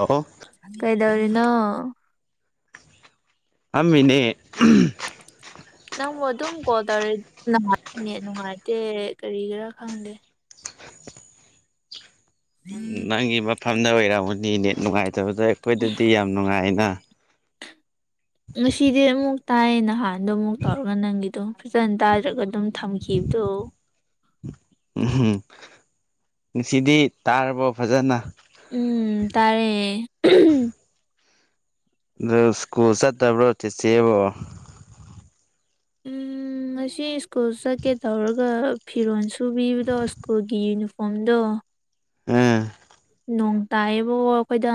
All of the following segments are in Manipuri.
ꯑꯍꯣ꯫ ꯀꯩꯗꯧꯔꯤꯅꯣ꯫ ꯐꯝꯃꯤꯅꯦ꯫ ꯅꯪꯕꯨ ꯑꯗꯨꯝ ꯀꯣꯜ ꯇꯧꯔꯤ inaudible ꯅꯦꯠ ꯅꯨꯡꯉꯥꯏꯇꯦ ꯀꯔꯤꯒꯤꯔ ꯈꯪꯗꯦ꯫ ꯅꯪꯒꯤ ꯃꯐꯝꯗ ꯑꯣꯏꯔꯝꯃꯅꯤ ꯅꯦꯠ ꯅꯨꯡꯉꯥꯏꯇꯕꯗꯣ ꯑꯩꯈꯣꯏꯗꯗꯤ ꯌꯥꯝ ꯅꯨꯡꯉꯥꯏꯅ꯫ ꯉꯁꯤꯗꯤ ꯑꯃꯨꯛ ꯇꯥꯏꯌꯦ ꯅꯍꯥꯟꯗꯣ ꯑꯃꯨꯛ ꯇꯧꯔꯒ ꯅꯪꯒꯤꯗꯣ ꯐꯖꯅ ꯇꯥꯗ꯭ꯔꯒ ꯑꯗꯨꯝ꯫ ꯊꯝꯈꯤꯕꯈꯤꯕꯗꯣ꯫ ꯎꯝ ꯉꯁꯤꯗꯤ ꯇꯥꯔꯕꯣ ꯐꯖꯅ꯫ ꯎꯝ ꯇꯥꯔꯦ꯫ ꯑꯗꯨ ꯁ꯭ꯀꯨꯜ ꯆꯠꯇꯕ꯭ꯔꯣ ꯆꯤꯆꯦꯕꯨ꯫ ꯎꯝ꯫ ꯉꯁꯤ ꯁ꯭ꯀꯨꯜ ꯆꯠꯀꯦ ꯇꯧꯔꯒ ꯐꯤꯔꯣꯜ ꯁꯨꯕꯤꯕꯗꯣ ꯁ꯭ꯀꯨꯜꯒꯤ ꯌꯨꯅꯤꯐꯣꯔꯝꯗꯣ꯫ ꯎꯝ꯫ ꯅꯣꯡ ꯇꯥꯏꯌꯦꯕꯣꯀꫭꫭ ꯑꯩꯈꯣꯏꯗ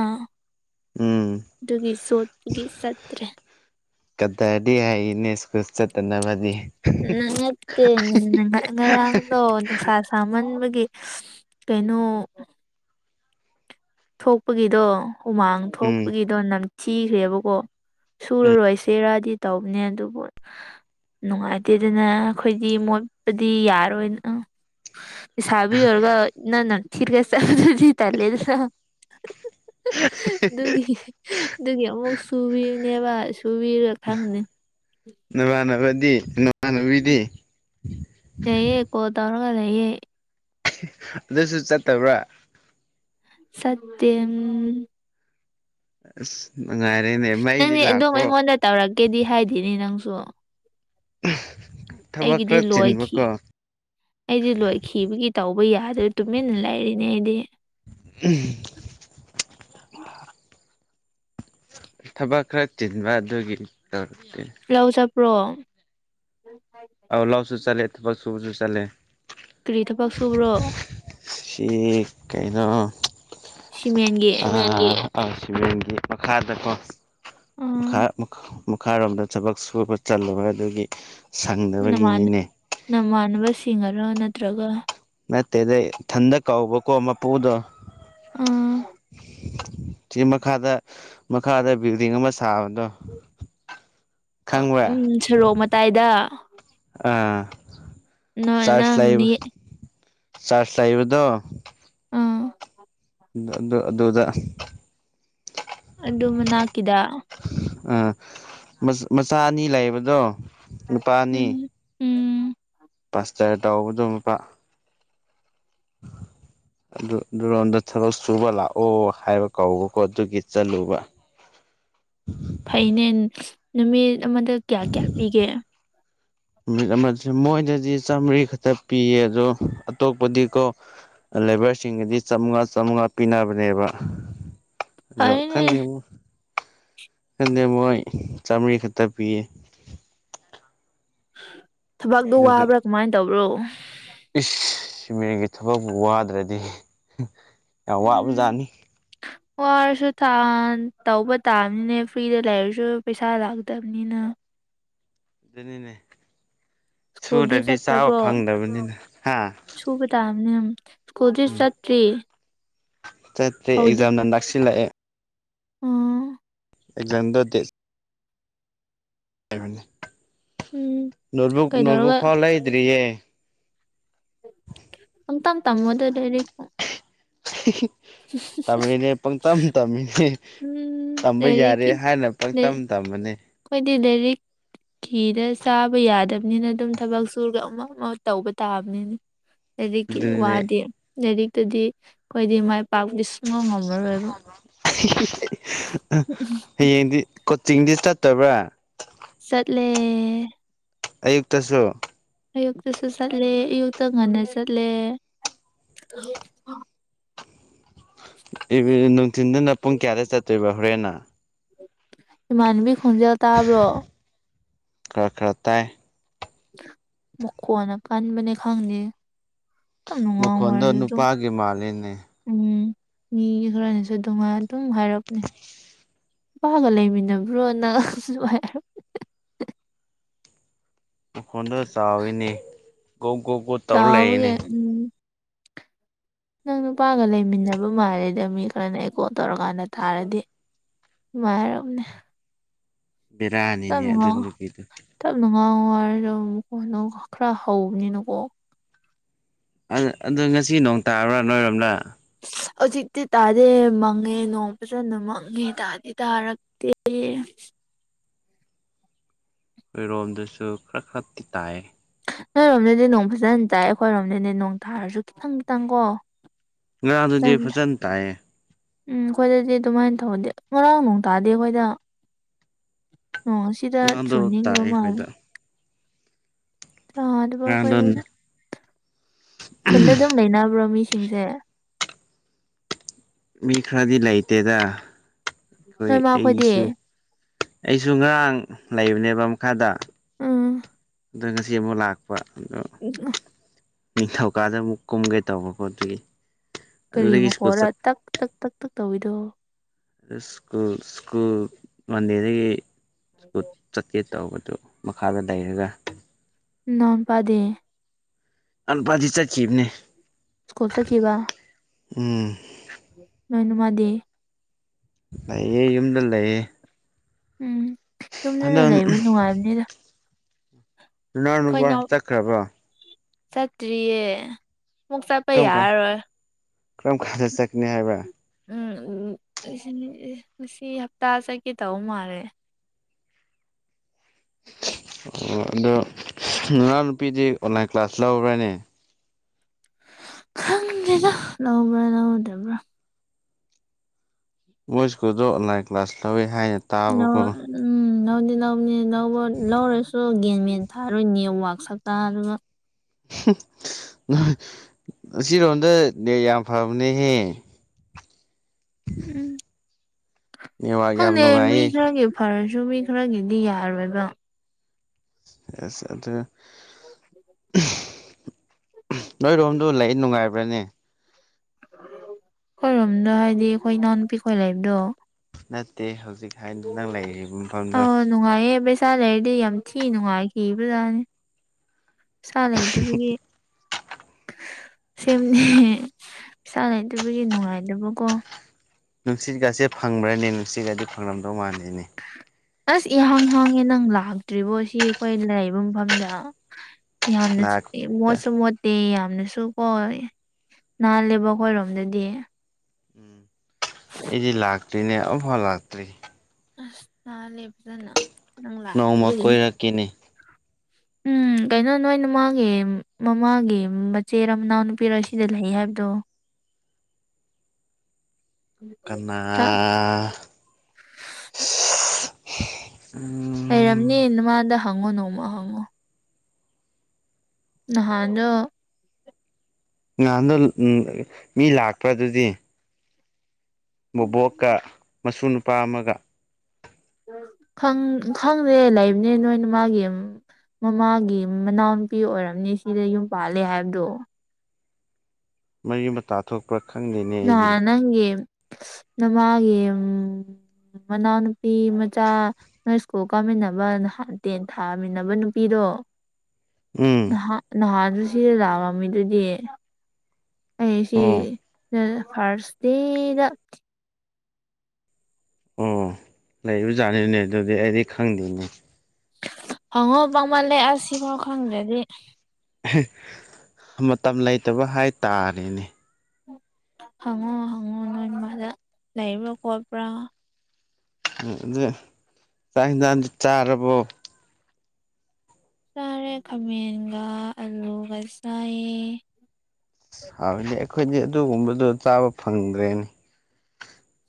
ꯎꯝ ꯑꯗꯨꯒꯤ ꯁꯣꯠꯄꯨꯒꯤ ꯆꯠꯇ꯭ꯔꯦ꯫ ꯀꯗꯥꯗꯤ ꯍꯥꯏꯅꯦ ꯁ꯭ꯀꯨꯜ ꯆꯠꯇꯅꯕꯗꯤ꯫ ꯅꯉꯛ ꯄꫭꯃ inaudible ꯉꯔꯥꯡꯗꯣ ꯅꯨꯁ ꯁ ꯁꯥꯃꯟꯕꯒꯤ ꯀꯩꯅꯣ꯫ ꯊꯣꯛꯄꯒꯤꯗꯣ ꯍꯨꯃꯥꯡ ꯎꯝ ꯊꯣꯛꯄꯒꯤꯗꯣ ꯅꯝꯊꯤꯈ꯭ꯔꯦꯕꯀꯣ꯫ ꯎꯝ ꯁꯨꯔꯔꯣꯏꯁꯦꯔꯥꯗꯤ ꯇꯧꯕꯅꯦ ꯑꯗꯨꯕꯨ꯫ ꯅꯨꯡꯉꯥꯏꯇꯦꯗꯅ ꯑꯩꯈꯣꯏꯗꯤ ꯃꯣꯠꯄꯗꯤ ꯌꯥꯔꯣꯏꯅ ꯑ꯫ ꯂꯩꯁꯥꯕꯤ ꯑꯣꯏꯔꯒ ꯅ ꯅ inaudible ꯆꯕꯗꯨꯗꯤ ꯇꯜꯂꯦꯗꯅ꯫ ꯑꯗꯨꯒꯤ ꯑꯗꯨꯒꯤ ꯑꯃꯨꯛ ꯁꯨꯕꯤꯔꯅꯤꯕ ꯁꯨꯕꯤꯔ ꯈꯪꯅꯤ꯫ ꯅꯥꯃꯥꯅꯕꯗ ꯅꯥ ꯍꯅꯨꯕꯤꯗꯤ꯫ ꯂꯩꯌꯦ ꯀꫭꯜ ꯇꯧꯔꯒꯥ ꯂꯩꯌꯦ꯫ ꯑꯗꯨꯁꯨ ꯆꯠꯇꯕ꯭ꯔꯥ꯫ ꯁꯇꯦ ꯎꯝ꯫ ꯑꯁ ꯅꯨꯡꯉꯥꯏꯔꯦꯅꯦ ꯃꯩꯗꯤ ꯅꯪꯗꯤ ꯑꯗꯨꯝ ꯂꯥꯛꯄ꯭ꯔꯣ꯫ ꯑꯩꯉꯣꯟꯗ ꯇꯧꯔꯛꯀꯦꯗꯤ ꯍꯥꯏꯗꯦꯅꯦ ꯅꯪꯁꯨ꯫ ꯊꯕꯛ ꯑꯩꯒꯤꯗꯤ ꯈꯔ ꯂꯣꯏꯈꯤ ꯆꯤꯟꯕꯀꯣ꯫ ꯑꯩꯗꯤ ꯂꯣꯏꯈꯤꯕꯒꯤ ꯇꯧꯕ ꯌꯥꯗꯣꯏ ꯇꯨꯃꯤꯟꯅ ꯂꯩꯔꯤꯅꯦ ꯑꯩꯗꯤ꯫ ꯎꯝ ꯊꯕꯛ ꯈꯔ ꯆꯤꯟꯕ ꯑꯗꯨꯒꯤ ꯇꯧꯔꯛꯇꯦ꯫ ꯂꯥꯎ ꯆꯠꯄ꯭ꯔꯣ꯫ inaudible ꯑꯥꯎ ꯂꯥꯎꯁꯨ ꯆꯠꯂꯦ ꯊꯕꯛ ꯁꯨꯕꯁꯨ ꯆꯠꯂꯦ꯫ ꯀꯔꯤ ꯊꯕꯛ ꯁꯨꯕ꯭ꯔꯣ꯫ ꯁꯤ ꯀꯩꯅꯣ ꯁꯤꯃꯦꯟꯒꯤ ꯑ ꯁꯤꯕꯦꯟꯒꯤ ꯃꯈꯥꯗꯀꯣ ꯃꯈꯥ ꯎꯝ ꯃꯈꯥꯔꯣꯝꯗ ꯊꯕꯛ ꯁꯨꯕ ꯆꯠꯂꯨꯕ ꯑꯗꯨꯒꯤ ꯁꯪꯗꯕꯒꯤꯅꯤꯅꯦ ꯅꯃꯥꯅꯕꯁꯤꯡꯒꯔꯣ ꯅꯠꯇ꯭ꯔꯒ ꯅꯠꯇꯦꯗ ꯏꯊꯟꯗ ꯀꯥꯎꯕꯀꯣ ꯃꯄꯨꯗꯣ ꯎꯝ ꯁꯤ ꯃꯈꯥꯗ ꯃꯈꯥꯗ ꯕꯤꯜꯗꯤꯡ ꯑꯃ ꯁꯥꯕꯗꯣ ꯑ ꯈꯪꯕ꯭ꯔꯥ ꯎꯝ ꯁꯣꯔꯣꯛ ꯃꯇꯥꯏꯗ ꯑ ꯅꯣꯏ ꯆꯔꯁ ꯅꯪꯅꯤ ꯂꯩꯕ ꯆꯔꯖ ꯂꯩꯕꯗꯣ ꯑꯥꯝ ꯗ-ꯗ-ꯑꯗꯨꯗ ꯑꯗꯨ ꯃꯅꯥꯛꯀꯤꯗ ꯑꯥ ꯃꯆꯥ ꯑꯅꯤ ꯂꯩꯥꯕꯗꯣ ꯎꯝ ꯎꯝ ꯄꯥꯁꯇꯔ ꯇꯥꯎꯕꯗꯣ ꯅꯨꯄꯥ [unintelligible] ꯑꯗꯨ ꯑꯗꯨꯔꯣꯝꯗ ꯊꯕꯛ ꯁꯨꯕ ꯂꯥꯛꯑꯣ ꯍꯥꯏꯕ ꯀꯧꯕꯀꯣ ꯑꯗꯨꯒꯤ ꯆꯠꯂꯨꯕ ꯐꯩꯅꯦ ꯅꯨꯃꯤꯠ ꯑꯃꯗ ꯀꯌꯥ ꯀꯌꯥ ꯄꯤꯒꯦ ꯅꯨꯃꯤꯠ ꯑꯃꯓꯦ ꯃꯣꯏꯗꯗꯤ ꯆꯥꯝꯃꯔꯤ ꯈꯛꯇ ꯄꯤꯌꯦ ꯑꯗꯣ ꯑꯇꯣꯞꯄꯗꯤꯀꯣ ꯂꯦꯕꯔꯁꯤꯡꯒꯗꯤ ꯆꯥꯃꯉꯥ ꯆꯥꯝꯃꯉꯥ ꯄꯤꯅꯕꯅꯦꯕ ꯑꯗꫭ ꯈꯗꯤ ꯐꯔꯦꯅꯦ ꯃꫭ-ꯈꯗꯤ ꯃꯣꯏ ꯆꯝꯔꯤ ꯈꯛꯇ ꯄꯤꯌꯦ ꯊꯕꯛꯛꯇꯣ ꯑꯗꯨꯒꯤ ꯋꯥꯕ꯭ꯔꯥ ꯀꯃꯥꯏꯅ ꯇꯧꯕ꯭ꯔꯣ ꯏꯁ ꯁꯤꯃꯦꯟꯒꯤ ꯊꯕꯛꯄꯨ ꯋꯥꯗ꯭ꯔꯗꯤ ꯌꯥꯝ ꯎꯝ ꯋꯥꯕꯖꯥꯠꯅꯤ ꯋꯥꯔꯁꯨ ꯇꯧꯕ ꯇꯥꯕꯅꯤꯅꯦ ꯐ꯭ꯔꯤꯗ ꯂꯩꯔꯁꯨ ꯄꯩꯁꯥ ꯂꯥꯛꯇꯕꯅꯤꯅ [unintelligible] ꯑꯗꯨꯅꯤꯅꯦ ꯁ꯭ꯀꯨꯜꯗꯤ ꯁꯨꯗꯔꯗꯤ ꯆꯥꯕ ꯆꯠꯇ꯭ꯔꯕꯣ ꯐꯪꯗꯕꯅꯤꯅ ꯍꯥ ꯁꯨꯕ ꯇꯥꯕꯅꯦ ꯎꯃꯝ ꯁ꯭ꯀꯨꯜꯗꯤ ꯆꯠꯇ꯭ꯔꯤ ꯆꯠꯇꯔꯦ ꯑꯦꯛꯖꯥꯝꯅ ꯅꯛꯁꯤꯂꯥꯛꯑꯦ ꯎꯥꯝ ꯑꯦꯛꯖꯥꯝꯗꫭ ꯗꯦꯠ inaudible ꯎꯝ ꯅꯣꯠꯕꯨꯛ ꯅꯣꯠꯕꯨꯛ ꯀꯩꯗꯧꯔꯒ ꯐꯥꯎ ꯂꯩꯗ꯭ꯔꯤꯌꯦ ꯁꯝ ꯄꯝꯃꫭ ꯑꯗꯨꯗꯤ ꯑꯔꯤꯛꯄ ꯍꯤ ꯍꯤ ꯇꯃꯤꯅꯦ ꯄꯪ ꯇꯝ ꯇꯃꯤꯅꯦ ꯎꯝ ꯇꯝꯕ ꯌꯥꯔꯦ ꯂꯥꯏꯔꯤꯛꯀꯤ ꯍꯥꯏꯅ ꯄꯪꯇꯝ ꯂꯥꯏꯔꯤꯛ ꯇꯝꯕꯅꯤ ꯑꯩꯈꯣꯏꯗꯤ ꯂꯥꯏꯔꯤꯛ ꯐꯤꯗ ꯆꯥꯕ ꯌꯥꯗꯕꯅꯤꯅ ꯑꯗꯨꯝ ꯊꯕꯛ ꯁꯨꯔꯒ ꯑꯃ ꯑꯃ ꯇꯧꯕ ꯇꯥꯕꯅꯤꯅ ꯂꯥꯏꯔꯤꯛꯀꯤ ꯑꯗꯨꯅꯦ ꯋꯥꯗꯤ ꯂꯥꯏꯔꯤꯛꯇꯗꯤ ꯑꯩꯈꯣꯏꯗꯤ ꯃꯥꯏ ꯄꯥꯛꯄꯗꯤ ꯁꯨꯡꯉꯝ ꯉꯝꯃꯔꯣꯏꯕ ꯍꯌꯦꯡꯗꯤ ꯀꯣꯆꯤꯡꯗꯤ ꯆꯠꯇꯕ꯭ꯔꯥ ꯆꯠꯂꯦ ꯑꯌꯨꯛꯇꯁꯨ ꯑꯌꯨꯛꯇꯁꯨ ꯆꯠꯂꯦ ꯑꯌꯨꯛꯇ ꯉꯟꯅ ꯆꯠꯂꯦ ꯅꯨꯡꯊꯤꯟꯗꯨꯅ ꯄꯨꯡ ꯀꯌꯥꯗ ꯆꯠꯇꯣꯏꯕ ꯍꯣꯔꯦꯟꯟꯅ ꯏꯃꯥꯟꯅꯕꯤ ꯈꯣꯟꯖꯦꯜ ꯇꯥꯕ꯭ꯔꯣ ꯈꯔ ꯈꯔ ꯇꯥꯏ ꯃꯈꯣꯟꯅ ꯀꯟꯕꯅꯦ ꯈꯪꯗꯦ ꯇꯞꯅ ꯉꯥꯡꯉꯣ ꯃꯈꯣꯟꯗꯣ ꯍꯥꯏꯔꯗꯤ ꯑꯗꯨꯝ ꯅꯨꯄꯥꯒꯤ ꯃꯥꯜꯂꯤꯅꯦ ꯎꯝ ꯃꯤ ꯈꯔꯅꯁꯨ ꯑꯗꯨꯝ ꯑꯗꯨꯝ ꯍꯥꯏꯔꯛꯕꯅꯦ ꯅꯨꯄꯥꯒ ꯂꯩꯃꯤꯟꯅꯕ꯭ꯔꯣ ꯅꯪ ꯏꯈꯣꯟꯗ ꯆꯥꯎꯋꯤꯅꯦ ꯒꯣ ꯒꯣ ꯇꯧꯔ ꯆꯥꯎꯕꯒꯤ ꯂꯩꯅꯦ ꯎꯝ ꯅꯪ ꯅꯨꯄꯥꯒ ꯂꯩꯃꯤꯟꯅꯕ ꯃꯥꯜꯜꯂꯤꯦꯗ ꯃꯤ ꯈꯔꯅ ꯑꯩꯀꯣ ꯇꯧꯔꯀꯥꯟꯗ ꯊꯥꯔꯗꯤ ꯃꯥꯅꯦ ꯕꯦꯔꯥꯅꯤꯅꯦ ꯑꯗꯨ ꯉꯥꯡꯉꯣ ꯅꯨꯄꯤꯗꯣ ꯇꯞꯅ ꯉꯥꯡꯉꯣ [unintelligible] ꯀꯣꯅꯣ ꯈꯔ ꯍꯧꯕꯅꯤꯅꯀꯣ ꯑꯗꯨ ꯑꯗꯣ ꯉꯁꯤ ꯅꯣꯡ ꯇꯥꯕ꯭ꯔꯥ ꯅꯣꯏꯔꯣꯝꯗ ꯍꯧꯖꯤꯛꯇꯤ ꯇꯥꯗꯦ ꯃꯪꯉꯦ ꯅꯣꯡ ꯐꯖꯅ ꯃꯪꯉꯦ ꯇꯥꯗꯤ ꯇꯥꯔꯛ ꯇꯦ ꯈꯣꯏꯔꯣꯝꯗꯁꯨ ꯈ꯭ꯔ ꯈꯛꯇꯤ ꯇꯥꯏꯌꯦ ꯅꯣꯏꯔꯣꯝꯗꯗꯤ ꯅꯣꯡ ꯐꯖꯅ ꯇꯥꯏ ꯑꯩꯈꯣꯏꯔꯣꯝꯗꯗꯤ ꯅꯣꯡ ꯇꯥꯔꯁꯨ ꯈꯤꯇꯪ ꯈꯤꯇꯪꯀꯣ ꯉꯔꯥꯡꯗꯨꯗꯤ ꯐꯖꯅ ꯇꯥꯏꯌꯦ ꯎꯝ ꯑꯩꯈꯣꯏꯗꯗꯤ ꯑꯗꯨꯃꯥꯏꯅ ꯇꯧꯗꯤ ꯉꯔꯥꯡ ꯅꯣꯡ ꯇꯥꯗꯤ ꯑꯩꯈꯣꯏꯗ ꯑꯣ ꯁꯤꯗ ꯉꯔꯥꯡꯗꯣ ꯇꯥꯏ ꯆꯨꯅꯤꯡꯗꯕ ꯃꯥꯜꯂꯦ ꯑꯩꯈꯣꯏꯗ ꯑ ꯑꯗꯨꯒ ꯉꯔꯥꯡꯗꯣ ꯑꯩꯈꯣꯏ [unintelligible] ꯈꯨꯟꯗ ꯑꯗꯨꯝ ꯂꯩꯅꯕ꯭ꯔꯣ ꯃꯤꯁꯤꯡꯁꯦ ꯃꯤ ꯈꯔꯗꯤ ꯂꯩꯇꯦꯗ ꯑꯩꯈꯣꯏ ꯅꯣꯏ ꯃꯥ ꯈꯣꯏꯗꯤ ꯑꯩꯁꯨ ꯑꯩꯁꯨ ꯉꯔꯥꯡ ꯂꯩꯕꯅꯦꯕ ꯃꯈꯥꯗ ꯎꯝ ꯗꯣ ꯉꯁꯤ ꯑꯃꯨꯛ ꯂꯥꯛꯄ ꯑꯗꯣ [unintelligible] ꯅꯤꯡꯊꯧꯀꯥꯗ ꯑꯃꯨꯛ ꯀꯨꯝꯒꯦ ꯇꯧꯕꯀꯣ ꯑꯗꯨꯒꯤ ꯀꯔꯤ ꯑꯗꯨꯗꯒꯤ ꯁ꯭ꯀꯨꯜ ꯃꯈꯣꯜꯂ ꯆꯠ ꯇꯛ ꯇꯛ ꯇꯛ ꯇꯛ ꯇꯧꯔꯤꯗꯣ ꯑꯗ ꯁ꯭ꯀꯨꯜ ꯁ꯭ꯀꯨꯜ ꯃꯟꯗꯦꯗꯒꯤ ꯁ꯭ꯀꯨꯜ ꯆꯠꯀꯦ ꯇꯧꯕꯗꯨ ꯃꯈꯥꯗ ꯂꯩꯔꯒ ꯅꯅꯥꯎꯅꯨꯄꯥꯗꯤ ꯑꯅꯥꯎꯄꯥꯗꯤ ꯆꯠꯈꯤꯕꯅꯦ ꯁ꯭ꯀꯨꯜ ꯆꯠꯈꯤꯕ ꯎꯝ ꯅꯣꯏ ꯅꯃꯥꯗꯤ ꯂꯩꯌꯦ ꯌꯨꯝꯗ ꯂꯩꯌꯦ ꯎꯝ ꯇꯨꯝꯗꯨꯅ ꯍꯟꯗꯛ ꯂꯩꯕ ꯅꯨꯡꯉꯥꯏꯕꯅꯤꯗ ꯅꯅꯥꯎꯅꯨꯄꯥ ꯆꯠꯈ꯭ꯔꯕꯣ ꯆꯇ꯭ꯔꯤꯌꯦ ꯃꯨꯛ ꯆꯠꯄ ꯀꯔꯝ ꯀꯥꯟ ꯌꯥꯔꯔꯣꯏ ꯀꯔꯝ ꯀꯥꯟꯗ ꯆꯠꯀꯅꯤ ꯍꯥꯏꯕ꯭ꯔ ꯎꯝ [unintelligible] ꯉꯁꯤ ꯍꯞꯇꯥ ꯆꯠꯀꯦ ꯇꯧꯕ ꯃꯥꯜꯂꯦ ꯑꯣ ꯑꯗꯨꯗꯣ ꯅꯅꯥꯎ ꯅꯨꯄꯤꯗꯤ ꯑꯣꯟꯂꯥꯏꯟ ꯀ꯭ꯂꯥꯁ ꯂꯧꯕ꯭ꯔꯅꯦ ꯈꯪꯗꯦꯗ ꯂꯧꯕ꯭ꯔ ꯂꯧꯗꯕ꯭ꯔ ꯃꯣꯏ ꯁ꯭ꯀꯨꯜꯗꯣ ꯑꯣꯟꯂꯥꯏꯟ ꯀ꯭ꯂꯥꯁ ꯂꯧꯋꯤ ꯍꯥꯏꯅ [unintelligible] ꯇꯥꯕꯀꯣ ꯎꯝ ꯂꯧꯗꯤ ꯂꯧꯕꯅꯦ ꯂꯧꯔꯁꯨ ꯒꯦꯟ ꯃꯦꯟ ꯊꯥꯔꯣꯏ ꯅꯦꯋꯥꯛ ꯁꯛꯇꯥꯗꯨꯒ ꯍꯨ ꯑꯁꯤꯔꯣꯝ ꯗ ꯅꯦꯠ ꯌꯥꯝ ꯐꯕꯅꯦꯍꯦ ꯎꯝ ꯅꯦꯠꯋꯥꯛ ꯌꯥꯝ ꯈꯪꯗꯦ ꯃꯤ ꯅꯨꯡꯉꯥꯏꯌꯦ ꯈꯔꯒꯤ ꯐꯔꯁꯨ ꯃꯤ ꯈꯔꯒꯤꯗꯤ ꯌꯥꯔꯣꯏꯕ ꯑꯁ ꯑꯗ ꯅꯣꯏꯔꯣꯝꯗꯣ ꯂꯩ ꯅꯨꯡꯉꯥꯏꯕ꯭ꯔꯅꯦ ꯈꯣꯏꯔꯣꯝꯗꯣ ꯍꯥꯏꯗꯤ ꯑꯩꯈꯣꯏ ꯏꯅꯥꯎ ꯅꯨꯄꯤꯈꯣꯏ ꯂꯩꯕꯗꯣ ꯅꯠꯇꯦ ꯍꯧꯖꯤꯛ ꯍꯥꯏꯗꯤ ꯅꯪ ꯂꯩꯔꯤꯕ ꯃꯐꯝꯗꯣ ꯑꯧ ꯅꯨꯡꯉꯥꯏꯌꯦ ꯄꯦ ꯁꯥ ꯂꯩꯔꯗꯤ ꯌꯥꯝ ꯊꯤꯅ ꯅꯨꯡꯉꯥꯏꯈꯤꯕꯖꯥꯅꯦ ꯄꯦꯁꯥ ꯂꯩꯗꯕꯒꯤ [inaudible] ꯁꯦꯝꯅꯤ ꯄꯩꯁꯥ ꯂꯩꯇꯕꯒꯤ ꯅꯨꯡꯉꯥꯏꯇꯕꯀꯣ ꯅꯨꯡꯁꯤꯠꯒꯁꯦ ꯐꯪꯕ꯭ꯔꯅꯦ ꯅꯨꯡꯁꯤꯠꯒꯗꯤ ꯐꯪꯂꯝꯗꯧ ꯃꯥꯟꯗꯦꯅꯦ ꯑꯁ ꯏꯍꯥꯡ ꯏꯍꯥꯡꯉꯦ ꯅꯪ ꯂꯥꯛꯇ꯭ꯔꯤꯕꯣ ꯁꯤ ꯑꯩꯈꯣꯏ ꯂꯩꯕ ꯃꯐꯝꯗ ꯌꯥꯝꯅꯁꯨ ꯏ ꯂꯥꯛꯇ꯭ꯔꯤꯗ ꯃꯣꯠꯁꯨ ꯃꯣꯠ ꯑꯤ ꯌꯥꯝꯅꯁꯨ ꯀꯣ ꯅꯥꯂꯦꯕ ꯑꯩꯈꯣꯏꯔꯣꯝꯗꯗꯤ ꯎꯝ ꯑꯩꯗꯤ ꯂꯥꯛꯇ꯭ꯔꯤꯅꯦ ꯑꯃꯨꯐꯥꯎ ꯂꯥꯛꯇ꯭ꯔꯤ ꯑꯁ ꯅꯥꯜꯂꯦ ꯐꯖꯅ ꯅꯪ ꯅꯣꯡꯃ ꯂꯥꯛꯇꯕꯒꯤꯅꯤ ꯀꯣꯏꯔꯛꯒꯦꯅꯦ ꯎꯝ ꯀꯩꯅꯣ ꯅꯣꯏꯅ ꯃꯥꯒꯤ ꯃꯃꯥꯒꯤ ꯃꯆꯦꯠ ꯃꯅꯥꯎ ꯅꯨꯄꯤꯔꯣ ꯁꯤꯗ ꯂꯩ ꯍꯥꯏꯕꯗꯣ [unintelligible] ꯀꯅꯥ ꯎꯝ ꯂꯩꯔꯝꯅꯦ ꯅꯃꯗ ꯍꯪꯉꯣ ꯅꯣꯡꯃ ꯍꯪꯉꯣ ꯅꯍꯥꯟ ꯗꯣ ꯉꯍꯥꯟꯗꯣ ꯃꯤ ꯂꯥꯛꯄ ꯑꯗꯨꯗꯤ ꯕꯣꯕꯣꯛꯀ ꯃꯁꯨ ꯅꯨꯄꯥ ꯑꯃꯒ ꯈꯪ ꯈꯪꯗꯦ ꯂꯩꯕꯅꯦ ꯅꯣꯏꯅ ꯃꯥꯒꯤ ꯃꯃꯥꯒꯤ ꯃꯅꯥꯎꯅꯨꯄꯤ ꯑꯣꯏꯔꯝꯅꯤ ꯁꯤꯗ ꯌꯨꯝ ꯄꯥꯜꯂꯦ ꯍꯥꯏꯕꯗꯣ ꯃꯔꯤ ꯃꯇꯥ ꯊꯣꯛꯄ꯭ꯔꯥ ꯈꯪꯗꯦꯅꯦ ꯑꯩꯗꯤ ꯅꯍꯥꯟ ꯅꯪꯒꯤ ꯅꯃꯥꯒꯤ ꯃꯅꯥꯎꯅꯨꯄꯤ ꯃꯆꯥ ꯅꯣꯏ ꯁ꯭ꯀꯨꯜ ꯀꯥꯃꯤꯟꯅꯕ ꯅꯍꯥꯟ ꯇꯦꯟ ꯊꯥꯃꯤꯟꯅꯕ ꯅꯨꯄꯤꯗꯣ ꯎꯝ ꯅꯍ ꯅꯍꯥꯟꯗꯨ ꯁꯤꯗ ꯂꯥꯛꯕ ꯃꯤꯗꯨꯗꯤ ꯑꯩꯁꯤ ꯑꯣ ꯐꯥꯔꯁ ꯗꯦꯗ ꯑꯣ ꯂꯩꯕꯖꯥꯠꯅꯤꯅꯦ ꯑꯗꯨꯗꯤ ꯑꯩꯗꯤ ꯈꯪꯗꯦꯅꯦ ꯍꯪꯉꯣ ꯄꯥꯛꯃꯜꯂꯦ ꯑ ꯁꯤ ꯐꯥꯎ ꯈꯪꯗ꯭ꯔꯗꯤ ꯃꯇꯝ ꯂꯩꯇꯕ ꯍꯥꯏꯇꯥꯔꯦꯅꯦ ꯍꯪꯉꯣ ꯍꯪꯉꯣ ꯅꯣꯏ ꯃꯥꯗ ꯂꯩꯕ꯭ꯔꯥ ꯈꯣꯠꯄ꯭ꯔꯥ ꯆꯥꯛ ꯢꯟꯁꯥꯡꯗꯤ ꯆꯔꯕꯣ ꯆꯥꯔꯦ ꯈꯥꯃꯦꯟꯒ ꯑꯂꯨꯒ ꯆꯥꯏꯌꯦ ꯍꯥꯏꯕꯗꯤ ꯑꯩꯈꯣꯏꯗꯤ ꯑꯗꯨꯒꯨꯝꯕꯗꯣ ꯆꯥꯕ ꯐꯪꯗ꯭ꯔꯦꯅꯤ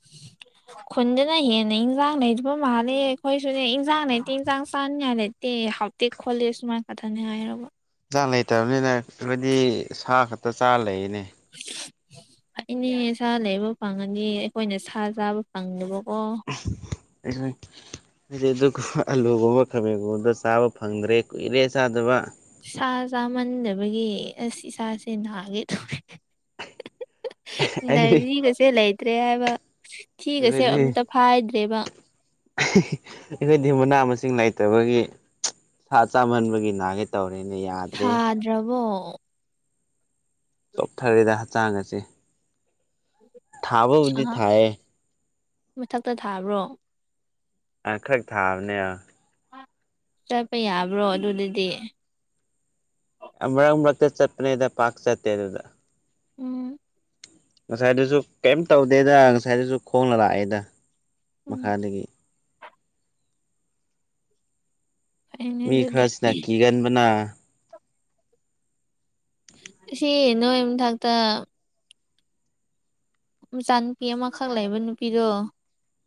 [unintelligible] ꯈꯨꯟꯗꯨꯅ ꯍꯦꯟꯅ ꯏꯟꯖꯥꯡ ꯂꯩꯕ ꯃꯥꯜꯂꯦ ꯑꯩꯈꯣꯏꯁꯨꯅꯦ ꯏꯟꯖꯥꯡ ꯂꯩꯇꯦ ꯏꯟꯖꯥꯡ ꯆꯥꯅꯤꯉꯥꯏ ꯂꯩꯇꯦ ꯅꯠꯇꯦ ꯁꯃꯥꯏ ꯀꯥ ꯅꯩꯅ ꯍꯥꯏꯔꯕ ꯍꯟꯁꯥꯡ ꯂꯩꯇꯕꯅꯤꯅ ꯍꯥꯏꯗꯤ ꯁꯥ ꯈꯛꯇ ꯆꯥꯔ ꯂꯩꯅꯦ ꯐꯩꯅꯦ ꯁꯥ ꯂꯩꯕ ꯐꯪꯉꯅꯤ ꯑꯩꯈꯣꯏꯅ ꯁꯥ ꯆꯥꯕ ꯐꯪꯗꯦꯕꯀꯣ ꯑꯗꯨꯣꯏ [inaudible] ꯍꯧꯖꯤꯛ ꯑꯗꯨꯒꯨꯝꯕ ꯑꯂꯨꯒꯨꯝꯕ ꯈꯥꯕꯦꯟꯒꯨꯝꯕꯗ ꯆꯥꯕ ꯐꯪꯗ꯭ꯔꯦ ꯀꯨꯏꯔꯦ ꯆꯥꯗꯕ ꯁꯥ ꯆꯥꯃꯟꯗꯕꯒꯤ ꯏꯁꯥꯁꯦ ꯅꯥꯒꯦ ꯇꯧꯑꯦ ꯑꯩꯗꯤ ꯔꯖꯤꯒꯁꯦ ꯂꯩꯇ꯭ꯔꯦ ꯍꯥꯏꯕ ꯊꯤꯒꯁꯦ ꯑꯩꯈꯣꯏꯗꯤ ꯑꯝꯇ ꯐꯥꯏꯗ꯭ꯔꯦꯕ ꯑꯩꯈꯣꯏꯗꯤ ꯃꯅꯥ ꯃꯁꯤꯡ ꯂꯩꯇꯕꯒꯤ ꯁꯥ ꯆꯥꯝꯃꯟꯕꯒꯤ ꯅꯥꯒꯦ ꯇꯧꯔꯦꯅ ꯌꯥꯗ꯭ꯔꯦ ꯗ꯭ꯔꯕꯣ ꯆꯣꯜꯊꯔꯦꯗ ꯍꯛꯆꯥꯡꯒꯁꯦ ꯊꯕꯕꯨꯗꯤ ꯑꯍ ꯊꯥꯏꯌꯦ ꯃꯊꯛꯇ ꯊꯥꯕ꯭ꯔꯣ꯫ ꯑꯈꯛ ꯊꯥꯕꯅꯦ ꯆꯠꯄ ꯌꯥꯕ꯭ꯔꯣ ꯑꯗꯨꯗꯗꯤ꯫ ꯃꯔꯛ ꯃꯔꯛꯇ ꯆꯠꯄꯅꯦꯗ ꯄꯥꯛ ꯆꯠꯇꯦ ꯑꯗꯨꯗ ꯎꯝ ꯉꯁꯥꯏꯗꯁꯨ ꯀꯩꯝ ꯇꯧꯗꯦꯗ ꯉꯁꯥꯏꯗꯁꯨ ꯈꯣꯡꯅ ꯂꯥꯛꯑꯦꯗ ꯎꯝ ꯃꯈꯥꯗꯒꯤ ꯐꯩꯅꯦ ꯃꯤ ꯑꯗꯨꯗꯤ ꯈꯔꯁꯤꯅ ꯀꯤꯒꯟꯕꯅ ꯁꯤ ꯅꯣꯢ ꯃꯊꯛꯇ ꯃꯆꯥꯥ ꯅꯨꯄꯤ ꯑꯃꯈꯛ ꯂꯩꯕ ꯅꯨꯄꯤꯗꯣ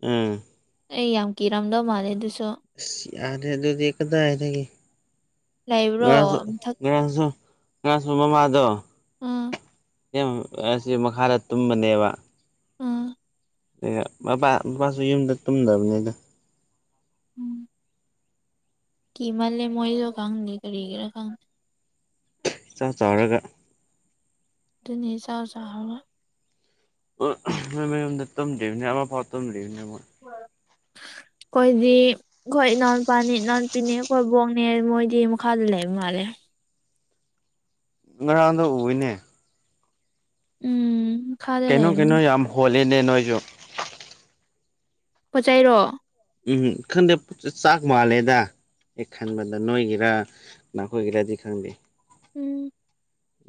ꯎꯝ꯫ ꯑꯩ ꯌꯥꯝ ꯀꯤꯔꯝꯗꯧ ꯃꯥꯜꯂꯦ ꯑꯗꯨꯁꯨ꯫ ꯑꯁ ꯌꯥꯔꯦ ꯑꯗꯨꯗꯤ ꯀꯗꯥꯏꯒꯦ꯫ ꯂꯩꯕ꯭ꯔꯣ ꯉꯁꯨ ꯃꯊꯛ ꯉꯁꯨ ꯉꯁꯨ ꯃꯃꯥꯗꯣ꯫ ꯎꯝ ꯑꯁꯤ ꯃꯈꯥꯗ ꯇꯨꯝꯕꯅꯦꯕ꯫ ꯎꯝ꯫ ꯃ ꯃꯄꯥꯁꯨ ꯌꯨꯝꯗ ꯇꯨꯝꯗꯕꯅꯤꯗ꯫ ꯎꯝ꯫ ꯀꯃꯜꯂꯦ ꯃꯣꯏꯁꯨ ꯈꯪꯗꯦ ꯀꯔꯤꯒꯤꯔ ꯈꯪꯗꯦ꯫ ꯏꯆꯥꯎ ꯆꯥꯎꯔꯒ꯫ ꯑꯗꯨꯅꯦ ꯏꯁꯥ ꯆꯥꯎꯔꯒ꯫ ꯃꯣꯏ ꯃꯌꯨꯝꯗ ꯇꯝꯗꯔꯤꯕꯅꯦ ꯑꯃꯨꯛꯄꯥꯎ ꯇꯝꯗꯔꯤꯕꯅꯦ ꯃꯣꯏ꯫꯫ ꯀꯣꯏꯗꯤ꯫ ꯑꯩꯈꯣꯏ ꯏꯅꯥꯎꯄꯥꯅꯦ ꯏꯅꯥꯎꯄꯤꯅꯦ ꯑꯩꯈꯣꯏ ꯕꯣꯛꯅꯦ ꯃꯣꯏꯗꯤ ꯃꯈꯥꯗ ꯂꯩꯕ ꯃꯥꯜꯂꯦ꯫ ꯉꯔꯥꯡꯗ ꯎꯅꯦ꯫ ꯎꯝ꯫ ꯃꯈꯥꯗ ꯀꯩꯅꯣ ꯀꯩꯅꯣ ꯂꯩꯕꯅꯤ ꯌꯥꯝ ꯍꯣꯜꯂꯤꯅꯦ ꯅꯣꯏꯁꯨ꯫ ꯄꯣ ꯆꯩꯔꯣ꯫ ꯎꯝ ꯈꯟꯗꯦ ꯆꯥꯛ ꯃꯥꯜꯂꯦꯗ꯫ ꯑꯩ ꯈꯟꯕꯗ ꯅꯣꯏꯒꯤꯔ ꯅꯈꯣꯏꯒꯤꯔꯗꯤ ꯈꯪꯗꯦ꯫ ꯎꯝ꯫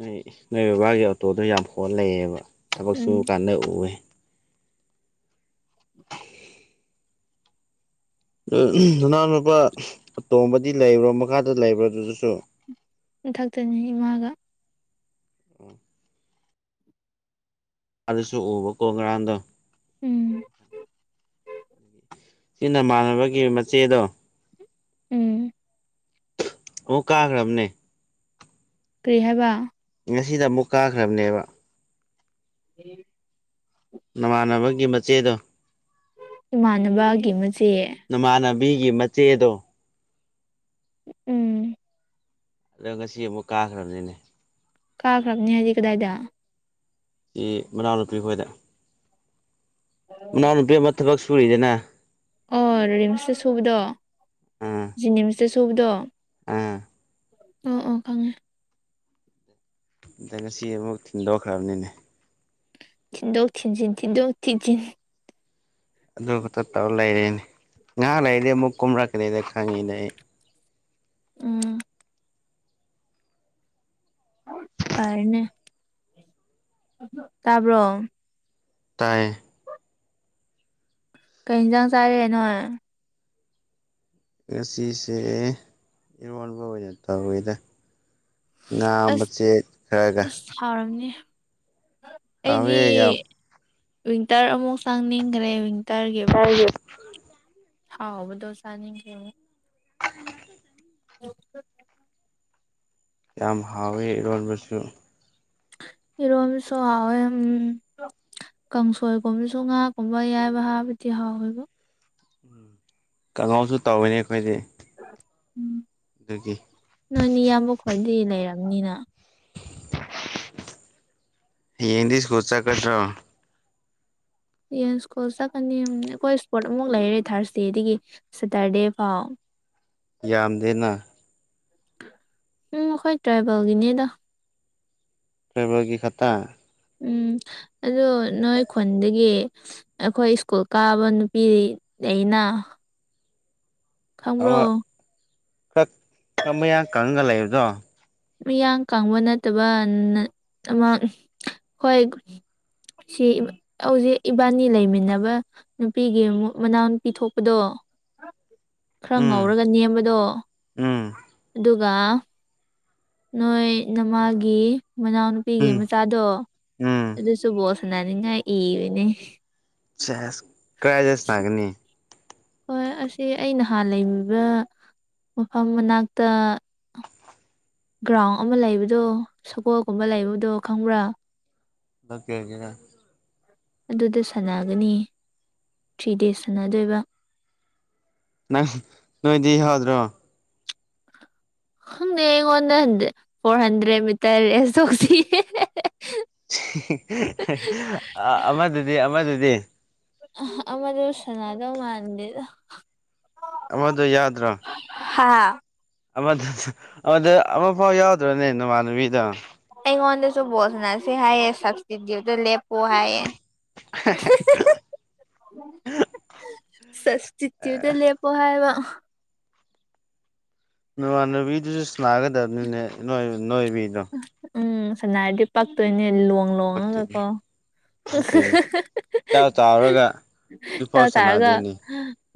ꯅꯣꯏ ꯅꯣꯏ ꯕꯕꯥꯒꯤ ꯑꯣꯇꯣꯗꯣ ꯌꯥꯝ ꯍꯣꯜ ꯂꯩꯌꯦꯕ ꯊꯕꯛ ꯎꯝ ꯁꯨꯕ ꯀꯥꯟꯗ ꯎꯑꯦ꯫ ꯅꯅꯥꯎ ꯅꯨꯄꯥ ꯑꯇꯣꯝꯕꯗꯤ ꯂꯩꯕ꯭ꯔꯣ ꯃꯈꯥꯗ ꯂꯩꯕ꯭ꯔꯣ ꯑꯗꯨꯗꯁꯨ꯫ ꯃꯊꯛꯇꯅꯤ ꯏꯃꯥꯒ꯫ [unintelligible] ꯑꯗꯨꯁꯨ ꯑꯨꯕꯀꯣ ꯉꯔꯥꯡꯗꯣ꯫ ꯎꯝ꯫ ꯅꯣꯏꯅꯃꯥꯟꯅꯕꯒꯤ ꯃꯆꯦꯗꯣ꯫ ꯎꯝ꯫ ꯑꯣ ꯀꯥꯈ꯭ꯔꯕꯅꯦ꯫ ꯀꯔꯤ ꯍꯥꯏꯕ꯫ ꯉꯁꯤꯗ ꯑꯃꯨꯛ ꯀꯥꯈ꯭ꯔꯕꯅꯦꯕ꯫ ꯎ [unintelligible] ꯅꯃꯥꯟꯅꯕꯒꯤ ꯃꯆꯦꯗꯣ꯫ ꯏꯃꯥꯟꯅꯕꯒꯤ ꯃꯆꯦ꯫ ꯅꯃꯥꯟꯅꯕꯤꯒꯤ ꯃꯆꯦꯗꯣ꯫ ꯎꯝ꯫ ꯑꯗꯣ ꯉꯁꯤ ꯑꯃꯨꯛ ꯀꯥꯈ꯭ꯔꯕꯅꯤꯅꯦ꯫ ꯀꯥꯈ꯭ꯔꯝꯅꯦ ꯍꯥꯏꯗꯤ ꯀꯗꯥꯏꯗ꯫ ꯏ ꯃꯅꯥꯎꯅꯨꯄꯤ ꯈꯣꯏꯗ꯫ ꯃꯅꯥꯎꯅꯨꯄꯤ ꯑꯃ ꯊꯕꯛ ꯁꯨꯔꯤꯗꯅ꯫ ꯑꯣ ꯔꯤꯝꯁꯇ ꯁꯨꯕꯗꯣ ꯑꯥ ꯖꯦꯅꯤꯝꯁꯇ ꯁꯨꯕꯗꯣ꯫ ꯑꯥ꯫ ꯑꯣ ꯑꯣ ꯈꯪꯉꯦ꯫ ꯑꯗ ꯉꯁꯤ ꯑꯃꯨꯛ ꯊꯤꯟꯗꯣꯛꯈ꯭ꯔꯕꯅꯤꯅꯦ꯫ ꯊꯤꯟꯗꯣꯛ ꯊꯤꯟꯖꯤꯟ ꯊꯤꯟꯗꯣꯛ ꯊꯤꯟꯖꯤꯟ꯫ ꯑꯗꯨ ꯈꯠꯇ ꯇꯧ ꯂꯩꯔꯅꯦ ꯉꯥꯏꯍꯥꯛ ꯂꯩꯔꯗꯤ ꯑꯃꯨꯛ ꯀꯨꯝꯔꯛꯀꯅꯤꯗ ꯈꯪꯉꯤꯗ ꯑꯩ꯫ ꯎꯝ꯫ ꯐꯅꯦ ꯇꯥꯕ꯭ꯔꯣ꯫ ꯇꯥꯏ꯫ ꯀꯩ ꯌꯦꯟꯖꯥꯡ ꯆꯥꯔꯦ ꯅꯣꯏ ꯉꯁꯤꯁꯦ ꯏꯔꯣꯜꯕ ꯑꯣꯏꯅ ꯇꯧꯔꯦꯗ ꯉꯥ ꯃꯆꯦꯠ ꯈꯔꯒ ꯁꯥꯎꯔꯝꯅꯤ ꯍꯥꯎꯋꯦ ꯌꯥꯝ ꯑꯩꯗꯤ ꯋꯤꯟꯇꯔ ꯑꯃꯨꯛ ꯆꯪꯅꯤꯡꯈ꯭ꯔꯦ ꯋꯤꯟꯇꯔꯒꯤ [unintelligible] ꯍꯥꯎꯕꯨꯗꯣ ꯁꯅꯤ ꯀ [unintelligible] ꯌꯥꯝ ꯍꯥꯎꯋꯦ ꯏꯔꯣꯟꯕꯁꯨ ꯏꯔꯣꯝ ꯁꯣ ꯍꯥꯏ ꯀꯥꯡꯁꯣꯏꯒꯨꯝꯕꯁꯨ ꯉꯥꯒꯨꯝꯕ ꯌꯥꯏꯕ ꯍꯥꯕꯗꯤ ꯍꯥꯎꯣꯏꯕ ꯀꯥꯡꯉꯧꯁꯨ ꯇꯧꯋꯤꯅꯦ ꯑꯩꯈꯣꯏꯗꯤ꯫ ꯎꯝ ꯗꯨꯒꯤ ꯅꯣꯏꯅꯦ ꯏꯌꯥꯝꯕ ꯈꯣꯏꯗꯤ ꯂꯩꯔꯝꯅꯤꯅ꯫ [inaudible] ꯌꯦꯗꯤꯁꯀꯣ ꯆꯆꯥ ꯀꯗ꯭ꯔꯣ ꯌꯥꯏꯁ꯭ꯀꯨꯜ ꯆꯠꯀꯅꯤ ꯑꯩꯈꯣꯏ ꯏꯁꯄꯣꯠ ꯑꯃꯨꯛ ꯂꯩꯔꯦ ꯊꯥꯔꯁꯗꯦꯗꯒꯤ ꯁꯦꯇꯔꯗꯦ ꯐꯥꯎ꯫ ꯌꯥꯝꯗꯦꯅꯥ ꯎꯝ ꯑꯩꯈꯣꯏ ꯇ꯭ꯔꯥꯏꯕꯦꯜꯒꯤꯅꯦꯗ ꯐꯦꯕꯋꯥꯒꯤ ꯈꯇꯥ ꯎꯝ ꯑꯣ ꯅꯣꯏ ꯈꯨꯟꯗꯒꯤ ꯑꯩꯈꯣꯏ ꯁ꯭ꯀꯨꯜ ꯀꯥꯕ ꯅꯨꯄꯤ ꯂꯩꯅ꯫ ꯈꯪꯕ꯭ꯔꯣ ꯑꯃ ꯈꯛ ꯃꯌꯥꯡ ꯀꯪꯉꯒ ꯂꯩꯕꯗꯣ꯫ ꯃꯤꯌꯥꯡ ꯀꯪꯕ ꯅꯠꯇꯕ ꯑꯃ ꯈꯣꯏ ꯁꯤ ꯍꯧꯖꯤꯛ ꯏꯕꯥꯅꯤ ꯂꯩꯃꯤꯟꯅꯕ꯫ ꯅꯨꯄꯤꯒꯤ ꯑꯃꯨꯛ ꯃꯅꯥꯎ ꯅꯨꯨꯄꯤ ꯊꯣꯛꯄꯗꯣ [unintelligible] ꯈꯔ ꯎꯝ ꯉꯧꯔꯒ ꯅꯦꯝꯕꯗꯣ ꯎꯝ ꯑꯗꯨꯒ ꯅꯣꯏ ꯅꯃꯥꯒꯤ ꯃꯅꯥꯎꯅꯨꯄꯤꯒꯤ ꯎꯝ ꯃꯆꯥꯗꯣ ꯎꯝ ꯑꯗꯨ ꯁꯨꯨꯕꯣꯁꯅꯥꯅꯤꯉ ꯏꯅꯦ [unintelligible] ꯍꯣꯏ ꯑꯁꯤ ꯑꯩ ꯅꯍꯥꯟ ꯂꯩꯃꯤꯕ ꯃꯐꯝ ꯃꯅꯥꯛꯇ ꯒ꯭ꯔꯥꯎꯟ ꯑꯃ ꯂꯩꯕꯗꯣ ꯁꯒꯣꯜꯒꯨꯝꯕ ꯂꯩꯕꯗꯣ ꯈꯪꯕ꯭ꯔꯥ ꯂꯀꯦꯒꯦ ꯑꯗꯨꯗ ꯁꯥꯟꯅꯒꯅꯤ ꯊ꯭ꯔꯤ ꯗꯦꯖ ꯁꯥꯟꯅꯗꯣꯏꯕ ꯅꯪ ꯅꯣꯏꯗꯤ ꯌꯥꯎꯗ꯭ꯔꯣ ꯈꯪꯅꯦ ꯑꯩꯉꯣꯟꯗ ꯐꫭꯔ ꯍꯟꯗ꯭ꯔꯦꯠ ꯃꯤꯇꯔ ꯔꯦꯁ ꯇꯣꯛꯁꯦ ꯌꯦ ꯍꯦ-ꯍꯦ-ꯍꯦ-ꯑꯦ ꯆꯦ-ꯍꯤ-ꯍꯤ ꯑꯃꯗꯨꯗꯤ-ꯑꯃꯗꯨꯗꯤ ꯑꯥ-ꯍ ꯑꯃꯗꯨꯁꯅꯥꯗꯧ ꯃꯥꯟꯗꯦꯗ ꯍꯥ ꯑꯃꯗ ꯌꯥꯗ꯭ꯔꯣ ꯍꯥ ꯑꯃꯗ ꯑꯃꯗ ꯑꯃꯐꯥꯎ ꯌꯥꯎꯗ꯭ꯔꯅꯦ ꯅꯨꯃꯅꯨꯕꯤꯗ ꯑꯩꯉꯣꯟꯗꯁꯨ ꯕꯣꯜ ꯁꯅꯁꯦ ꯍꯥꯏꯌꯦ ꯁꯞꯁ꯭ꯇꯤꯇꯨꯠ ꯂꯦꯞꯄꫭ ꯍꯥꯏꯌꯦ ꯏꯍꯤ-ꯍꯤꯏ ꯁ꯭ꯕꯁꯇꯤꯇꯨꯠꯇ ꯂꯦꯞ ꯄꯣ ꯍꯥꯏꯥꯏꯕ ꯅꯃꯥꯟꯅꯕꯤꯗꯨꯁꯨ ꯁꯅꯥꯒꯗꯕꯅꯤꯅꯦ ꯅꯣꯏꯕꯤꯗꯣ ꯎꯝ ꯁꯅꯥꯔꯗꯤ ꯄꯛꯇꯧꯅꯦ ꯂꯣꯡ-ꯂꯣꯡꯉꯒ ꯀꯣ ꯐꯛꯇꯦꯅꯤ ꯏꯆꯥꯎ ꯆꯥꯎꯔꯒ ꯆ ꯑꯗꯨꯐꯥꯎ ꯆꯔꯒ ꯁꯅꯥꯗꯦꯅꯦ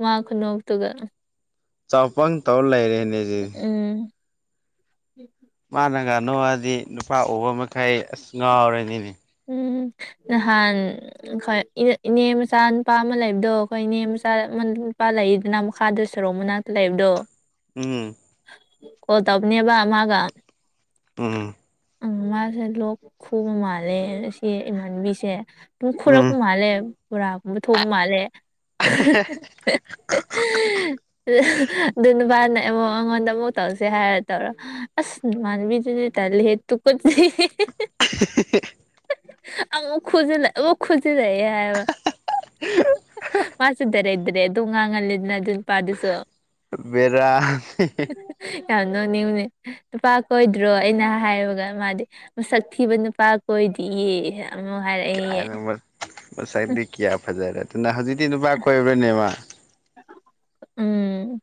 ꯃꯥ ꯈꯨꯅꯣꯛꯇꯨꯒ ꯆꯥꯎꯄꯪ ꯇꯧꯔ ꯂꯩꯔꯦꯅꯦꯖꯤ꯫ ꯎꯝ ꯃꯥꯅꯒ ꯅꫭꯛꯑꯗꯤ ꯅꯨꯄꯥ ꯎꯕ ꯃꯈꯩ ꯑ꯭ꯁ ꯉꯥꯎꯔꯅꯤꯅꯦ ꯎꯝ ꯅꯍꯥꯟ ꯑꯩꯈꯣꯏ ꯏꯅꯦ-ꯏꯅꯦ ꯃꯆꯥ ꯅꯨꯄꯥ ꯑꯃ ꯂꯩꯕꯗꯣ ꯑꯩꯈꯣꯏ ꯏꯅꯦ ꯃꯆꯥ ꯅꯨꯄꯥ ꯂꯩꯗꯅ ꯃꯈꯥꯗ ꯁꯣꯔꯣꯛ ꯃꯅꯥꯛꯇ ꯂꯩꯥꯏꯕꯗꯣ ꯎꯝ ꯀꯣꯜ ꯇꯧꯕꯅꯦꯕ ꯃꯥꯒ ꯎꯝ ꯎꯝ ꯃꯥꯁꯦ ꯂꯣꯛ ꯈꯨꯕ ꯃꯥꯜꯂꯦ ꯁꯤ ꯏꯃꯥꯟꯕꯤꯁꯦ ꯑꯗꯨꯨꯝ ꯎꯝ ꯈꯣꯔꯛꯄ ꯃꯥꯜꯂꯦ ꯕꯣꯔꯥꯒꯨꯝꯕ ꯊꯣꯛꯄ ꯃꯥꯜꯂꯦ ꯑꯗꯨ ꯅꯨꯄꯥꯅ ꯑꯃꯃꯛ ꯑꯩꯉꯣꯟꯗ ꯑꯃꯨꯛ ꯇꯧꯁꯦ ꯍꯥꯏꯔ ꯇꯧꯔꯣ ꯑꯁ ꯃꯥꯟꯕꯤꯗꯨꯗꯤ ꯇꯥꯜꯂꯦꯍꯦ ꯇꯨꯀꯠꯆꯩꯌꯦ [unintelligible] ꯍꯥ-ꯑ ꯑꯃꯛ ꯈꯣꯖꯤꯜ ꯂꯦ ꯑꯃꯛ ꯈꯣꯖꯤꯜ ꯂꯦꯑ ꯍꯥꯏꯕ ꯃꯥꯁ ꯇꯔ ꯏ꯭ꯔꯦ ꯑꯗꯨ ꯉꯥꯡꯒꯜꯂꯤꯗꯅ ꯑꯗꯨ ꯄꯥꯗꯨꯁꯨ ꯕꯦꯔꯥ ꯌꯥꯝ ꯅꯣꯛꯅꯤꯡꯉꯦ ꯅꯨꯨꯄꯥ ꯀꯣꯏꯗ꯭ꯔꯣ ꯑꯩꯅ ꯍꯥꯏꯕꯒ ꯃꯥꯗꯤ ꯃꯁꯛ ꯊꯤꯕ ꯅꯨꯄꯥ ꯀꯣꯏꯗꯤꯌꯦ ꯑꯃꯨ ꯍꯥꯏꯔꯛꯏꯌꯦ ꯉꯁꯥꯏꯗꯤ ꯀꯌꯥ ꯐꯖꯥꯔꯗꯅ ꯍꯧꯖꯤꯇꯤ ꯅꯨꯄ ꯀꯣꯏꯕ꯭ꯔꯅꯦ ꯃꯥ ꯎꯝ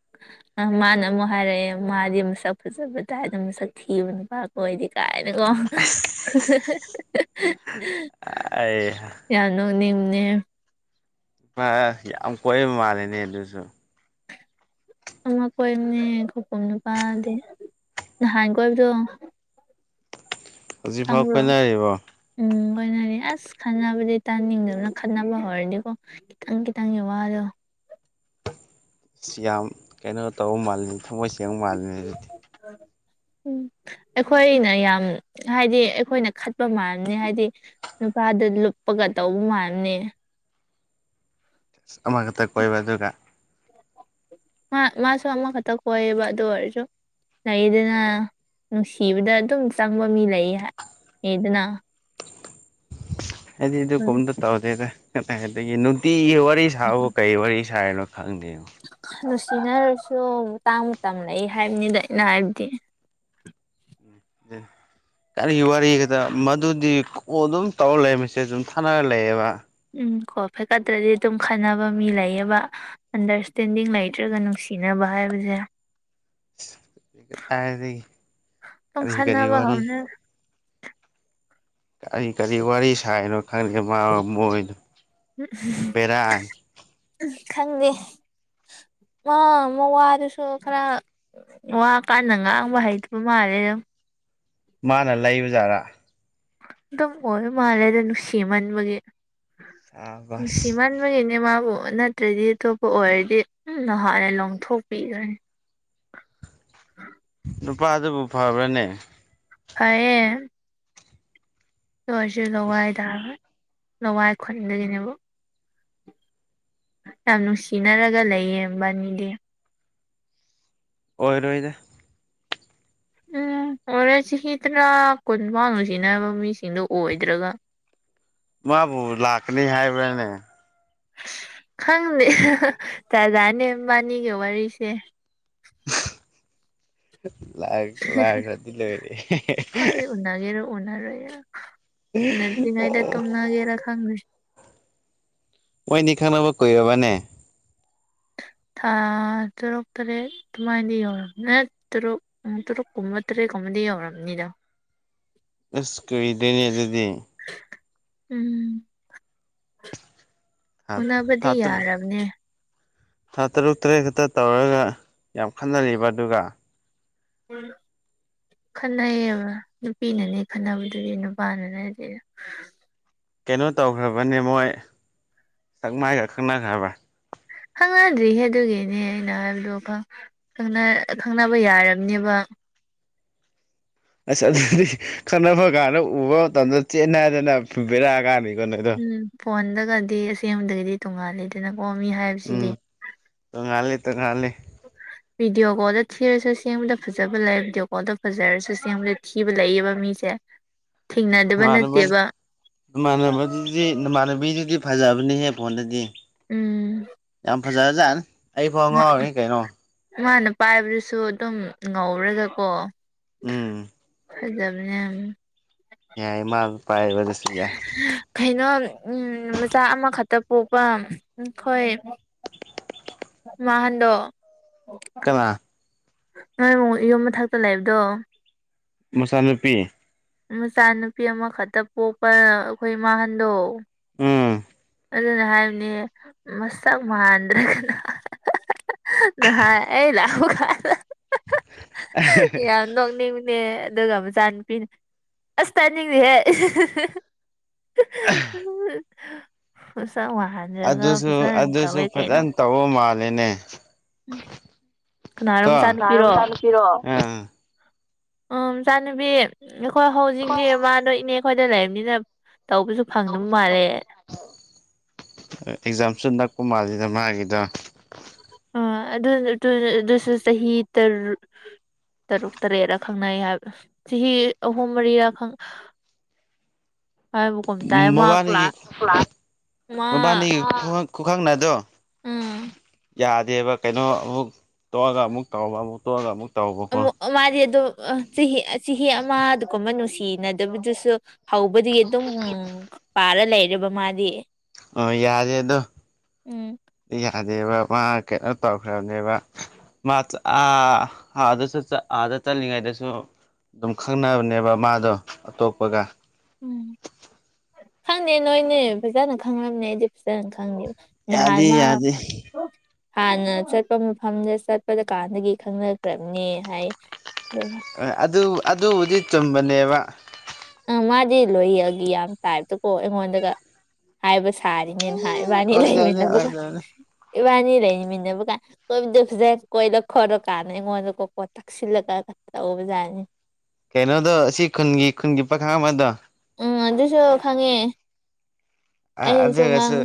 ꯑ ꯃꯥꯅ ꯑꯃꯨꯛ ꯍꯥꯏꯔꯛꯑꯦ ꯃꯥꯗꯤ ꯃꯁꯛ ꯐꯖꯕ ꯇꯥꯏꯗ ꯃꯁꯛ ꯊꯤꯕꯅꯤ ꯍꯣꯏꯗꯤ ꯀꯥꯏꯅꯀꯣ ꯑꯁ [unintelligible] ꯌꯥꯝ ꯅꯣꯛꯅꯤꯡꯕꯅꯦ ꯑꯥ-ꯑꯥ ꯌꯥꯝ ꯀꯣꯏꯅꯕ ꯃꯥꯜꯂꯦꯅꯦ ꯑꯗꯨꯁꯨ ꯑꯃ ꯀꯣꯏꯕꯅꯦ ꯈꯧꯄꯝ ꯅꯨꯄꯥꯗꯤ ꯅꯍꯥꯟ ꯀꯣꯏꯕꯗꯣ ꯍꯧꯖꯤꯛꯐꯥꯎ ꯈꯪꯕ꯭ꯔꯣ ꯀꯣꯏꯅꯔꯤꯕꯣ ꯎꯝ ꯀꯣꯏꯅꯅꯤ ꯑꯁ ꯈꯠꯅꯕꯗꯤ ꯇꯥꯅꯤꯡꯗꯕꯅ ꯈꯠꯅꯕ ꯍꯧꯔꯗꯤꯀꯣ ꯈꯤꯇꯪ ꯈꯤꯇꯪꯒꯤ ꯋꯥꯗꯣ ꯌꯥꯝ ꯀꯩꯅꯣ ꯇꯧꯕ ꯃꯥꯜꯂꯤ ꯊꯃꯣꯏ ꯁꯦꯡꯕ ꯃꯥꯜꯂꯤꯅꯤ ꯍꯧꯖꯤꯛꯇꯤ ꯎꯝ ꯑꯩꯈꯣꯏꯅ ꯌꯥꯝ ꯍꯥꯏꯗꯤ ꯑꯩꯈꯣꯏꯅ ꯈꯠꯄ ꯃꯥꯅꯤ ꯍꯥꯏꯗꯤ ꯅꯨꯄꯥꯗ ꯂꯨꯞꯄꯒ ꯇꯧꯕ ꯃꯥꯅꯦ ꯑꯃ ꯈꯛꯇ ꯀꯣꯏꯕ ꯑꯗꯨꯒ ꯃꯥ ꯃꯥꯁꯨ ꯑꯃ ꯈꯛꯇ ꯀꯣꯏꯕ ꯑꯗꯨ ꯑꯣꯏꯔꯖꯨ ꯂꯩꯗꯅ ꯅꯨꯡꯁꯤꯕꯗ ꯑꯗꯨꯝ ꯆꯪꯕ ꯃꯤ ꯂꯩꯌꯦ ꯍꯥꯏ ꯂꯩꯗꯅ [inaudible] ꯍꯥꯏꯗꯤ ꯑꯗꯨ ꯎꯝ ꯀꯣꯝꯇ ꯇꯧꯗꯦꯗ ꯑꯗꯒꯤ ꯅꯨꯡꯇꯤꯒꯤ ꯋꯥꯔꯤ ꯏꯁꯥꯕꯨ ꯀꯩ ꯋꯥꯔꯤ ꯁꯥꯏꯔꯤꯅꯣ ꯈꯪꯗꯦ ꯅꯨꯡꯁꯤꯅꯔꯁꯨ ꯃꯇꯥꯡ ꯃꯇꯝ ꯂꯩ ꯍꯥꯏꯕꯅꯤꯗ ꯑꯩꯅ ꯍꯥꯏꯕꯗꯤ [unintelligible] ꯀꯔꯤꯒꯤ ꯋꯥꯔꯤꯒꯗ ꯃꯗꯨꯗꯤ ꯀꯣꯟ ꯑꯗꯨꯝ ꯇꯧꯔꯒ ꯂꯩꯃꯤꯁꯦ ꯑꯗꯨꯝ ꯊꯥꯅꯔ ꯂꯩꯌꯦꯦꯕ ꯎꯝ ꯀꯣꯜ ꯄꯥꯏꯈꯠꯇ꯭ꯔꯗꯤ ꯑꯗꯨꯝ ꯈꯠꯅꯕ ꯃꯤ ꯂꯩꯌꯦꯕ ꯑꯟꯗꯔꯁꯇꯦꯟꯗꯤꯡ ꯂꯩꯇ꯭ꯔꯒ ꯅꯨꯡꯁꯤꯅꯕ ꯍꯥꯏꯕꯁꯦ ꯀꯔꯤ ꯑꯗꯨꯝ ꯀꯔꯤ ꯈꯠꯅꯕ ꯋꯥꯔꯤ ꯍꯧꯅ ꯀꯔꯤ ꯀꯔꯤ ꯋꯥꯔꯤ ꯁꯥꯏꯅꯣ ꯈꯪꯗꯦ ꯃꯥ ꯃꯣꯏ ꯕꯦꯔꯥꯅꯦ ꯎꯍꯨꯝ ꯈꯪꯗꯦ ꯃꯥ ꯃꯋꯥꯗꯨꯁꯨ ꯈꯔ ꯋꯥ ꯀꯟꯅ ꯉꯥꯡꯕ ꯍꯩꯇꯕ ꯃꯥꯜꯂꯦ ꯃꯥꯅ ꯂꯩꯕ ꯖꯥꯠꯔꯥ ꯗꯨꯝꯑꯣꯏꯕ ꯃꯥꯜꯂꯦꯗ ꯅꯨꯡꯁꯤꯃꯥꯟꯕꯒꯤ ꯁꯥꯕꯁ ꯅꯨꯡꯁꯤꯃꯟ ꯑꯗꯨꯒꯤꯅꯦ ꯃꯥꯕꯨ ꯅꯠꯇ꯭ꯔꯗꯤ ꯑꯇꯣꯞꯄ ꯑꯣꯏꯔꯗꯤ ꯍꯥꯟꯅ ꯂ ꯂꯧꯊꯣꯛꯄꯤꯈꯅꯤ ꯅꯨꯄꯥꯗꯨꯕꯨ ꯐꯕ꯭ꯔꯅꯦ ꯐꯩꯌꯦ ꯑꯗꯣ ꯑꯩꯁꯨ ꯂꯋꯥꯏ ꯇꯥꯔ ꯂꯋꯥꯏ ꯈꯨꯟꯗꯒꯤꯅꯦꯕ ꯌꯥꯝ ꯅꯨꯡꯁꯤꯅꯔꯒ ꯂꯩꯌꯦ ꯃꯕꯅꯤꯗꯤ ꯑꯣꯏꯔꯣꯏꯗ ꯎꯝ ꯍꯣꯔꯦ ꯆꯍꯤ ꯇꯔꯥ ꯀꯨꯟ ꯐꯥꯎ ꯅꯨꯡꯁꯤꯅꯕ ꯃꯤꯁꯤꯡꯗꯣ ꯑꯣꯏꯗ꯭ꯔꯒ [unintelligible] ꯃꯥꯕꯨ ꯂꯥꯛꯀꯅꯤ ꯍꯥꯏꯕ꯭ꯔꯥꯅꯦ ꯈꯪꯗꯦ ꯑꯦ-ꯍꯦ-ꯑꯦ ꯖꯥꯠ-ꯖꯥꯠꯅꯦ ꯃꯥꯕꯥꯅꯤꯒꯤ ꯋꯥꯔꯤꯁꯦ ꯂꯥꯛ-ꯂꯥꯛ ꯑꯗꯨ ꯂꯩꯔꯤ ꯏꯍꯦ-ꯍꯦ ꯍꯥ ꯎꯅꯒꯦꯔꯣ ꯎꯅꯔꯣꯏꯔ ꯎꯅꯠꯇ꯭ꯔꯤꯉꯩꯗ ꯇꯣꯅꯒꯦꯔꯥ ꯈꯪꯗꯦ ꯃꯣꯏꯅꯤ ꯈꯪꯅꯕ ꯀꯨꯏꯔꯕꯅꯦ ꯊꯥ ꯇꯔꯨꯛ ꯇꯔꯦꯠ ꯑꯗꯨꯃꯥꯏꯅꯗꯤ ꯌꯧꯔꯝ ꯅ ꯇꯔꯣ ꯎ ꯇꯔꯣ ꯀꯨꯝꯃ ꯇ꯭ꯔꯦ ꯀꯨꯝꯃꯗꯤ ꯌꯧꯔꯝꯅꯤꯗ [unintelligible] ꯑꯁ ꯀꯨꯗꯣꯏꯅꯦ ꯑꯗꯨꯗꯤ ꯎꯝ ꯊꯥ ꯎꯟꯅꯕꯗꯤ ꯇꯔꯨꯛ ꯌꯥꯔ ꯕꯅꯦ ꯊꯥ ꯇꯔꯨꯛ ꯇꯔꯦꯠ ꯈꯛꯇ ꯇꯧꯔꯒ ꯌꯥꯝ ꯈꯟꯅꯕ ꯑꯗꯨꯒ ꯎꯝ ꯈꯠꯅꯩꯌꯦꯕ ꯅꯨꯄꯤꯅꯅꯦ ꯈꯠꯅꯕꯗꯨꯗꯤ ꯅꯨꯄꯥꯅ ꯅꯠꯇꯦꯕ ꯀꯩꯅꯣ ꯇꯧꯈ꯭ꯔꯕꯅꯦ ꯃꯣꯏ ꯁꯛ ꯃꯥꯏꯒ ꯈꯪꯅꯈ꯭ꯔꯕ ꯈꯪꯅꯗ꯭ꯔꯤꯌꯦꯦ ꯑꯗꯨꯒꯤꯅꯦ ꯑꯩꯅ ꯍꯥꯏꯕꯗꯣ ꯈꯪꯅꯕ ꯌꯥꯔꯕꯅꯦꯕ ꯑꯁ ꯑꯗꯨꯗꯤ ꯈꯠꯅꯕ ꯀꯥꯟꯗ ꯎꯕ ꯃꯇꯝꯗ ꯆꯦꯟꯠ ꯅꯥꯏꯗꯅ ꯐꯕꯤꯔꯛꯑ ꯀꯥꯟꯅꯤꯀꯣ ꯎꯝ ꯐꯣꯟꯗꯒꯗꯤ ꯑꯁꯦꯡꯕꯗꯒꯤꯗꯤ ꯇꯣꯡꯉꯥꯂꯦꯗꯅꯀꯣ ꯃꯤ ꯍꯥꯏ ꯎꯝ ꯇ ꫭꯉꯥꯜꯂꯦ-ꯇ ꫭꯉꯥꯜꯂꯦ [unintelligible] ꯚꯤꯗꯤꯑꯣ ꯀꯣꯜꯗ ꯊꯤꯔꯁꯨ ꯁꯦꯝꯦꯡꯕꯗ ꯐꯖꯕ ꯂꯩ ꯚꯤꯗꯤꯑꯣ ꯀꯣꯜꯗ ꯐꯖꯔꯁꯨ ꯁꯦꯝꯦꯡꯕꯗ ꯊꯤꯕ ꯂꯩꯌꯦꯕ ꯃꯤꯁꯦ [unintelligible] ꯏꯃꯥꯟꯅꯕ ꯅꯠꯇꯦꯕ ꯅꯃꯥꯟꯅꯕꯗꯨꯗꯤ ꯅꯃꯥꯟꯅꯕꯤꯗꯨꯗꯤ ꯐꯖꯕꯅꯤꯍꯦ ꯐꯣꯟꯗꯗꯤ ꯎꯝ ꯌꯥꯝ ꯐꯖꯔꯖꯥꯠꯅꯤ ꯑꯩ ꯐꯥꯎ ꯉꯥꯎꯔꯤꯅꯤ ꯀꯩꯅꯣ꯫ ꯃꯥꯅ ꯄꯥꯏꯕꯗꯨꯁꯨ ꯑꯗꯨꯝ ꯉꯧꯔꯒꯀꯣ ꯎꯝ ꯐꯖꯕꯅꯦ ꯌꯥꯝ ꯌꯥꯏ ꯃꯥ ꯄꯥꯏꯕ ꯀꯩꯅꯣꯝ ꯃꯆꯥ ꯑꯃꯈꯛꯇ ꯄꯣꯛꯄ ꯍꯣꯏ ꯃꯥ ꯍꯟꯗꯣ ꯀꯅꯥ꯫ ꯅꯣꯏ ꯃꯛ ꯌꯨꯝ ꯃꯊꯛꯇ ꯂꯩꯕꯗꯣ ꯃꯆꯥꯅꯨꯄꯤ ꯃꯆꯥ ꯅꯨꯨꯄꯤ ꯑꯃꯈꯛꯇ ꯄꯣꯛꯄ ꯑꯩꯈꯣꯏ ꯏꯃꯥꯍꯟꯗꯣ ꯑꯥꯝ ꯑꯗꯨꯅ ꯍꯥꯏꯕꯅꯤ ꯃꯁꯛ ꯃꯥꯟꯗ꯭ꯔꯒꯅ ꯅꯍꯥꯜ ꯑꯩ ꯂꯛꯄꯀꯥꯟꯗ ꯌꯥꯝ ꯅꯣꯛꯅꯤꯡꯅꯦ ꯑꯗꯨꯒ ꯃꯆꯥ ꯅꯨꯨꯄꯤꯅꯦ ꯑꯁ ꯇꯅꯤꯡꯗꯤꯍꯦ ꯎꯁ ꯋꯥ ꯍꯥ [inaudible] ꯑꯗꯨꯁꯨ ꯑꯗꯨꯁꯨ ꯐꯖꯅ ꯇꯧꯕ ꯃꯥꯂꯦꯅꯦ ꯀꯅꯥꯔꯣ ꯇꯤꯔꯣ [inaudible] ꯎ ꯏꯆꯥꯅꯕꯤ ꯑꯩꯈꯣꯏ ꯍꯧꯖꯤꯛꯤ ꯃꯥꯗꯣ ꯏꯅꯦ ꯑꯩꯈꯣꯏꯗ ꯂꯩꯝꯅꯤꯅ ꯇꯧꯕꯁꯨ ꯐꯪꯗꯕ ꯃꯥꯜꯂꯦ ꯑꯦꯛꯖꯥꯝꯁꯨ ꯅꯛꯄ ꯃꯥꯜꯂꯤꯗ ꯃꯥꯒꯤꯗꯣ ꯑ ꯑꯗꯨꯁꯨ ꯆꯍꯤ ꯇ ꯇꯔꯨꯛ ꯇꯔꯦꯠꯔ ꯈꯪꯅꯩ ꯍꯥꯏꯕ ꯆꯍꯤ ꯑꯍꯨꯝ ꯃꯔꯤꯔ [inaudible] ꯇꯥꯏ ꯃꯥ ꯃꯕꯥꯅꯤꯒꯤ ꯀ꯭ꯂꯥꯁ ꯃꯥ ꯃꯕꯥꯅꯤꯒꯤ ꯈꯨꯍꯪ ꯈꯨꯈꯪ ꯅꯗꯣ ꯎꯝ ꯌꯥꯗꯦꯕ ꯀꯩꯅꯣ ꯑꯃꯨꯛ ꯇꯣꯛꯑꯒ ꯑꯃꯨꯛ ꯇꯧꯕ ꯑꯃꯨꯛ ꯇꯣꯛꯑꯒ ꯑꯃꯨꯛ ꯇꯧꯕꯀꯣ ꯑꯣ ꯃꯥꯗꯤ ꯑꯗꯣ ꯆꯍꯤ ꯆꯍꯤ ꯑꯃꯗꯨꯀꯨꯝꯕ ꯅꯨꯡꯁꯤꯅꯗꯕꯗꯨꯁꯨ ꯍꯧꯕꯗꯤ ꯑꯗꯨꯝ ꯎ ꯄꯥꯔ ꯂꯩꯔꯦꯕ ꯃꯥꯗꯤ ꯑ ꯌꯥꯔꯦ ꯑꯗꯣ ꯎꯝ ꯌꯥꯗꯦꯕ ꯃꯥ ꯀꯩꯅꯣ ꯇꯧꯈ꯭ꯔꯕꯅꯦꯕ ꯑ ꯑꯗꯁꯨ ꯑꯥꯗ ꯆꯠꯂꯤꯉꯩꯗꯁꯨ ꯑꯗꯨꯝ ꯈꯪꯅꯕꯅꯦꯕ ꯃꯥꯗꯣ ꯑꯇꯣꯞꯄꯒ ꯈꯪꯗꯦ ꯅꯣꯏꯅꯦ ꯐꯖꯅ ꯈꯪꯉꯝꯅꯦ ꯑꯩꯗꯤ ꯐꯖꯅ ꯈꯪꯗꯦꯕ ꯅꯍꯟ ꯌꯥꯗꯦ ꯃꯥ ꯌꯥꯗꯦ ꯍꯥꯟꯅ ꯆꯠꯄ ꯃꯐꯝꯗ ꯆꯠꯄꯗ ꯀꯥꯟꯗꯒꯤ ꯈꯪꯅꯈ꯭ꯔꯕꯅꯦ ꯍꯥꯏ ꯑꯗꯨ ꯑꯗꯨꯕꯨꯗꯤ ꯆꯨꯝꯕꯅꯦꯕ ꯑ ꯃꯥꯗꯤ ꯂꯣꯏꯌꯜꯒꯤ ꯌꯥꯝ ꯇꯥꯏꯞꯇꯀꯣ ꯑꯩꯉꯣꯟꯗꯒ ꯍꯥꯏꯕ ꯁꯥꯔꯤꯅꯦꯅ ꯍꯥ ꯏꯕꯅꯤ ꯑꯣꯏꯗꯣꯏꯅꯦ ꯂꯩꯃꯤꯟꯅꯕꯒ ꯑꯣꯏꯗꯣꯏꯅꯦ ꯏꯕꯥꯅꯤ ꯂꯩꯃꯤꯟꯅꯕꯀꯥꯟ ꯀꯣꯏꯕꯗꯖꯦ ꯀꯣꯏꯔ ꯈꯔꯣ ꯀꯥꯟꯅ ꯑꯩꯉꯣꯟꯗꯀꯣꯀꯣꯠꯇ ꯁꯤꯜꯂꯀꯥ ꯇꯧꯕꯖꯅꯤ ꯀꯩꯅꯣꯗꯣ ꯑꯁꯤ ꯈꯨꯟꯒꯤ ꯈꯨꯟꯒꯤ ꯄꯥꯈꯪ ꯑꯃꯗꯣ ꯎꯝ ꯑꯗꯨꯗꯣ ꯈꯪꯉꯦ ꯑ ꯑꯩꯅꯁꯨ ꯑꯗꯨꯑꯣꯏꯔꯁꯨ ꯉꯥꯡ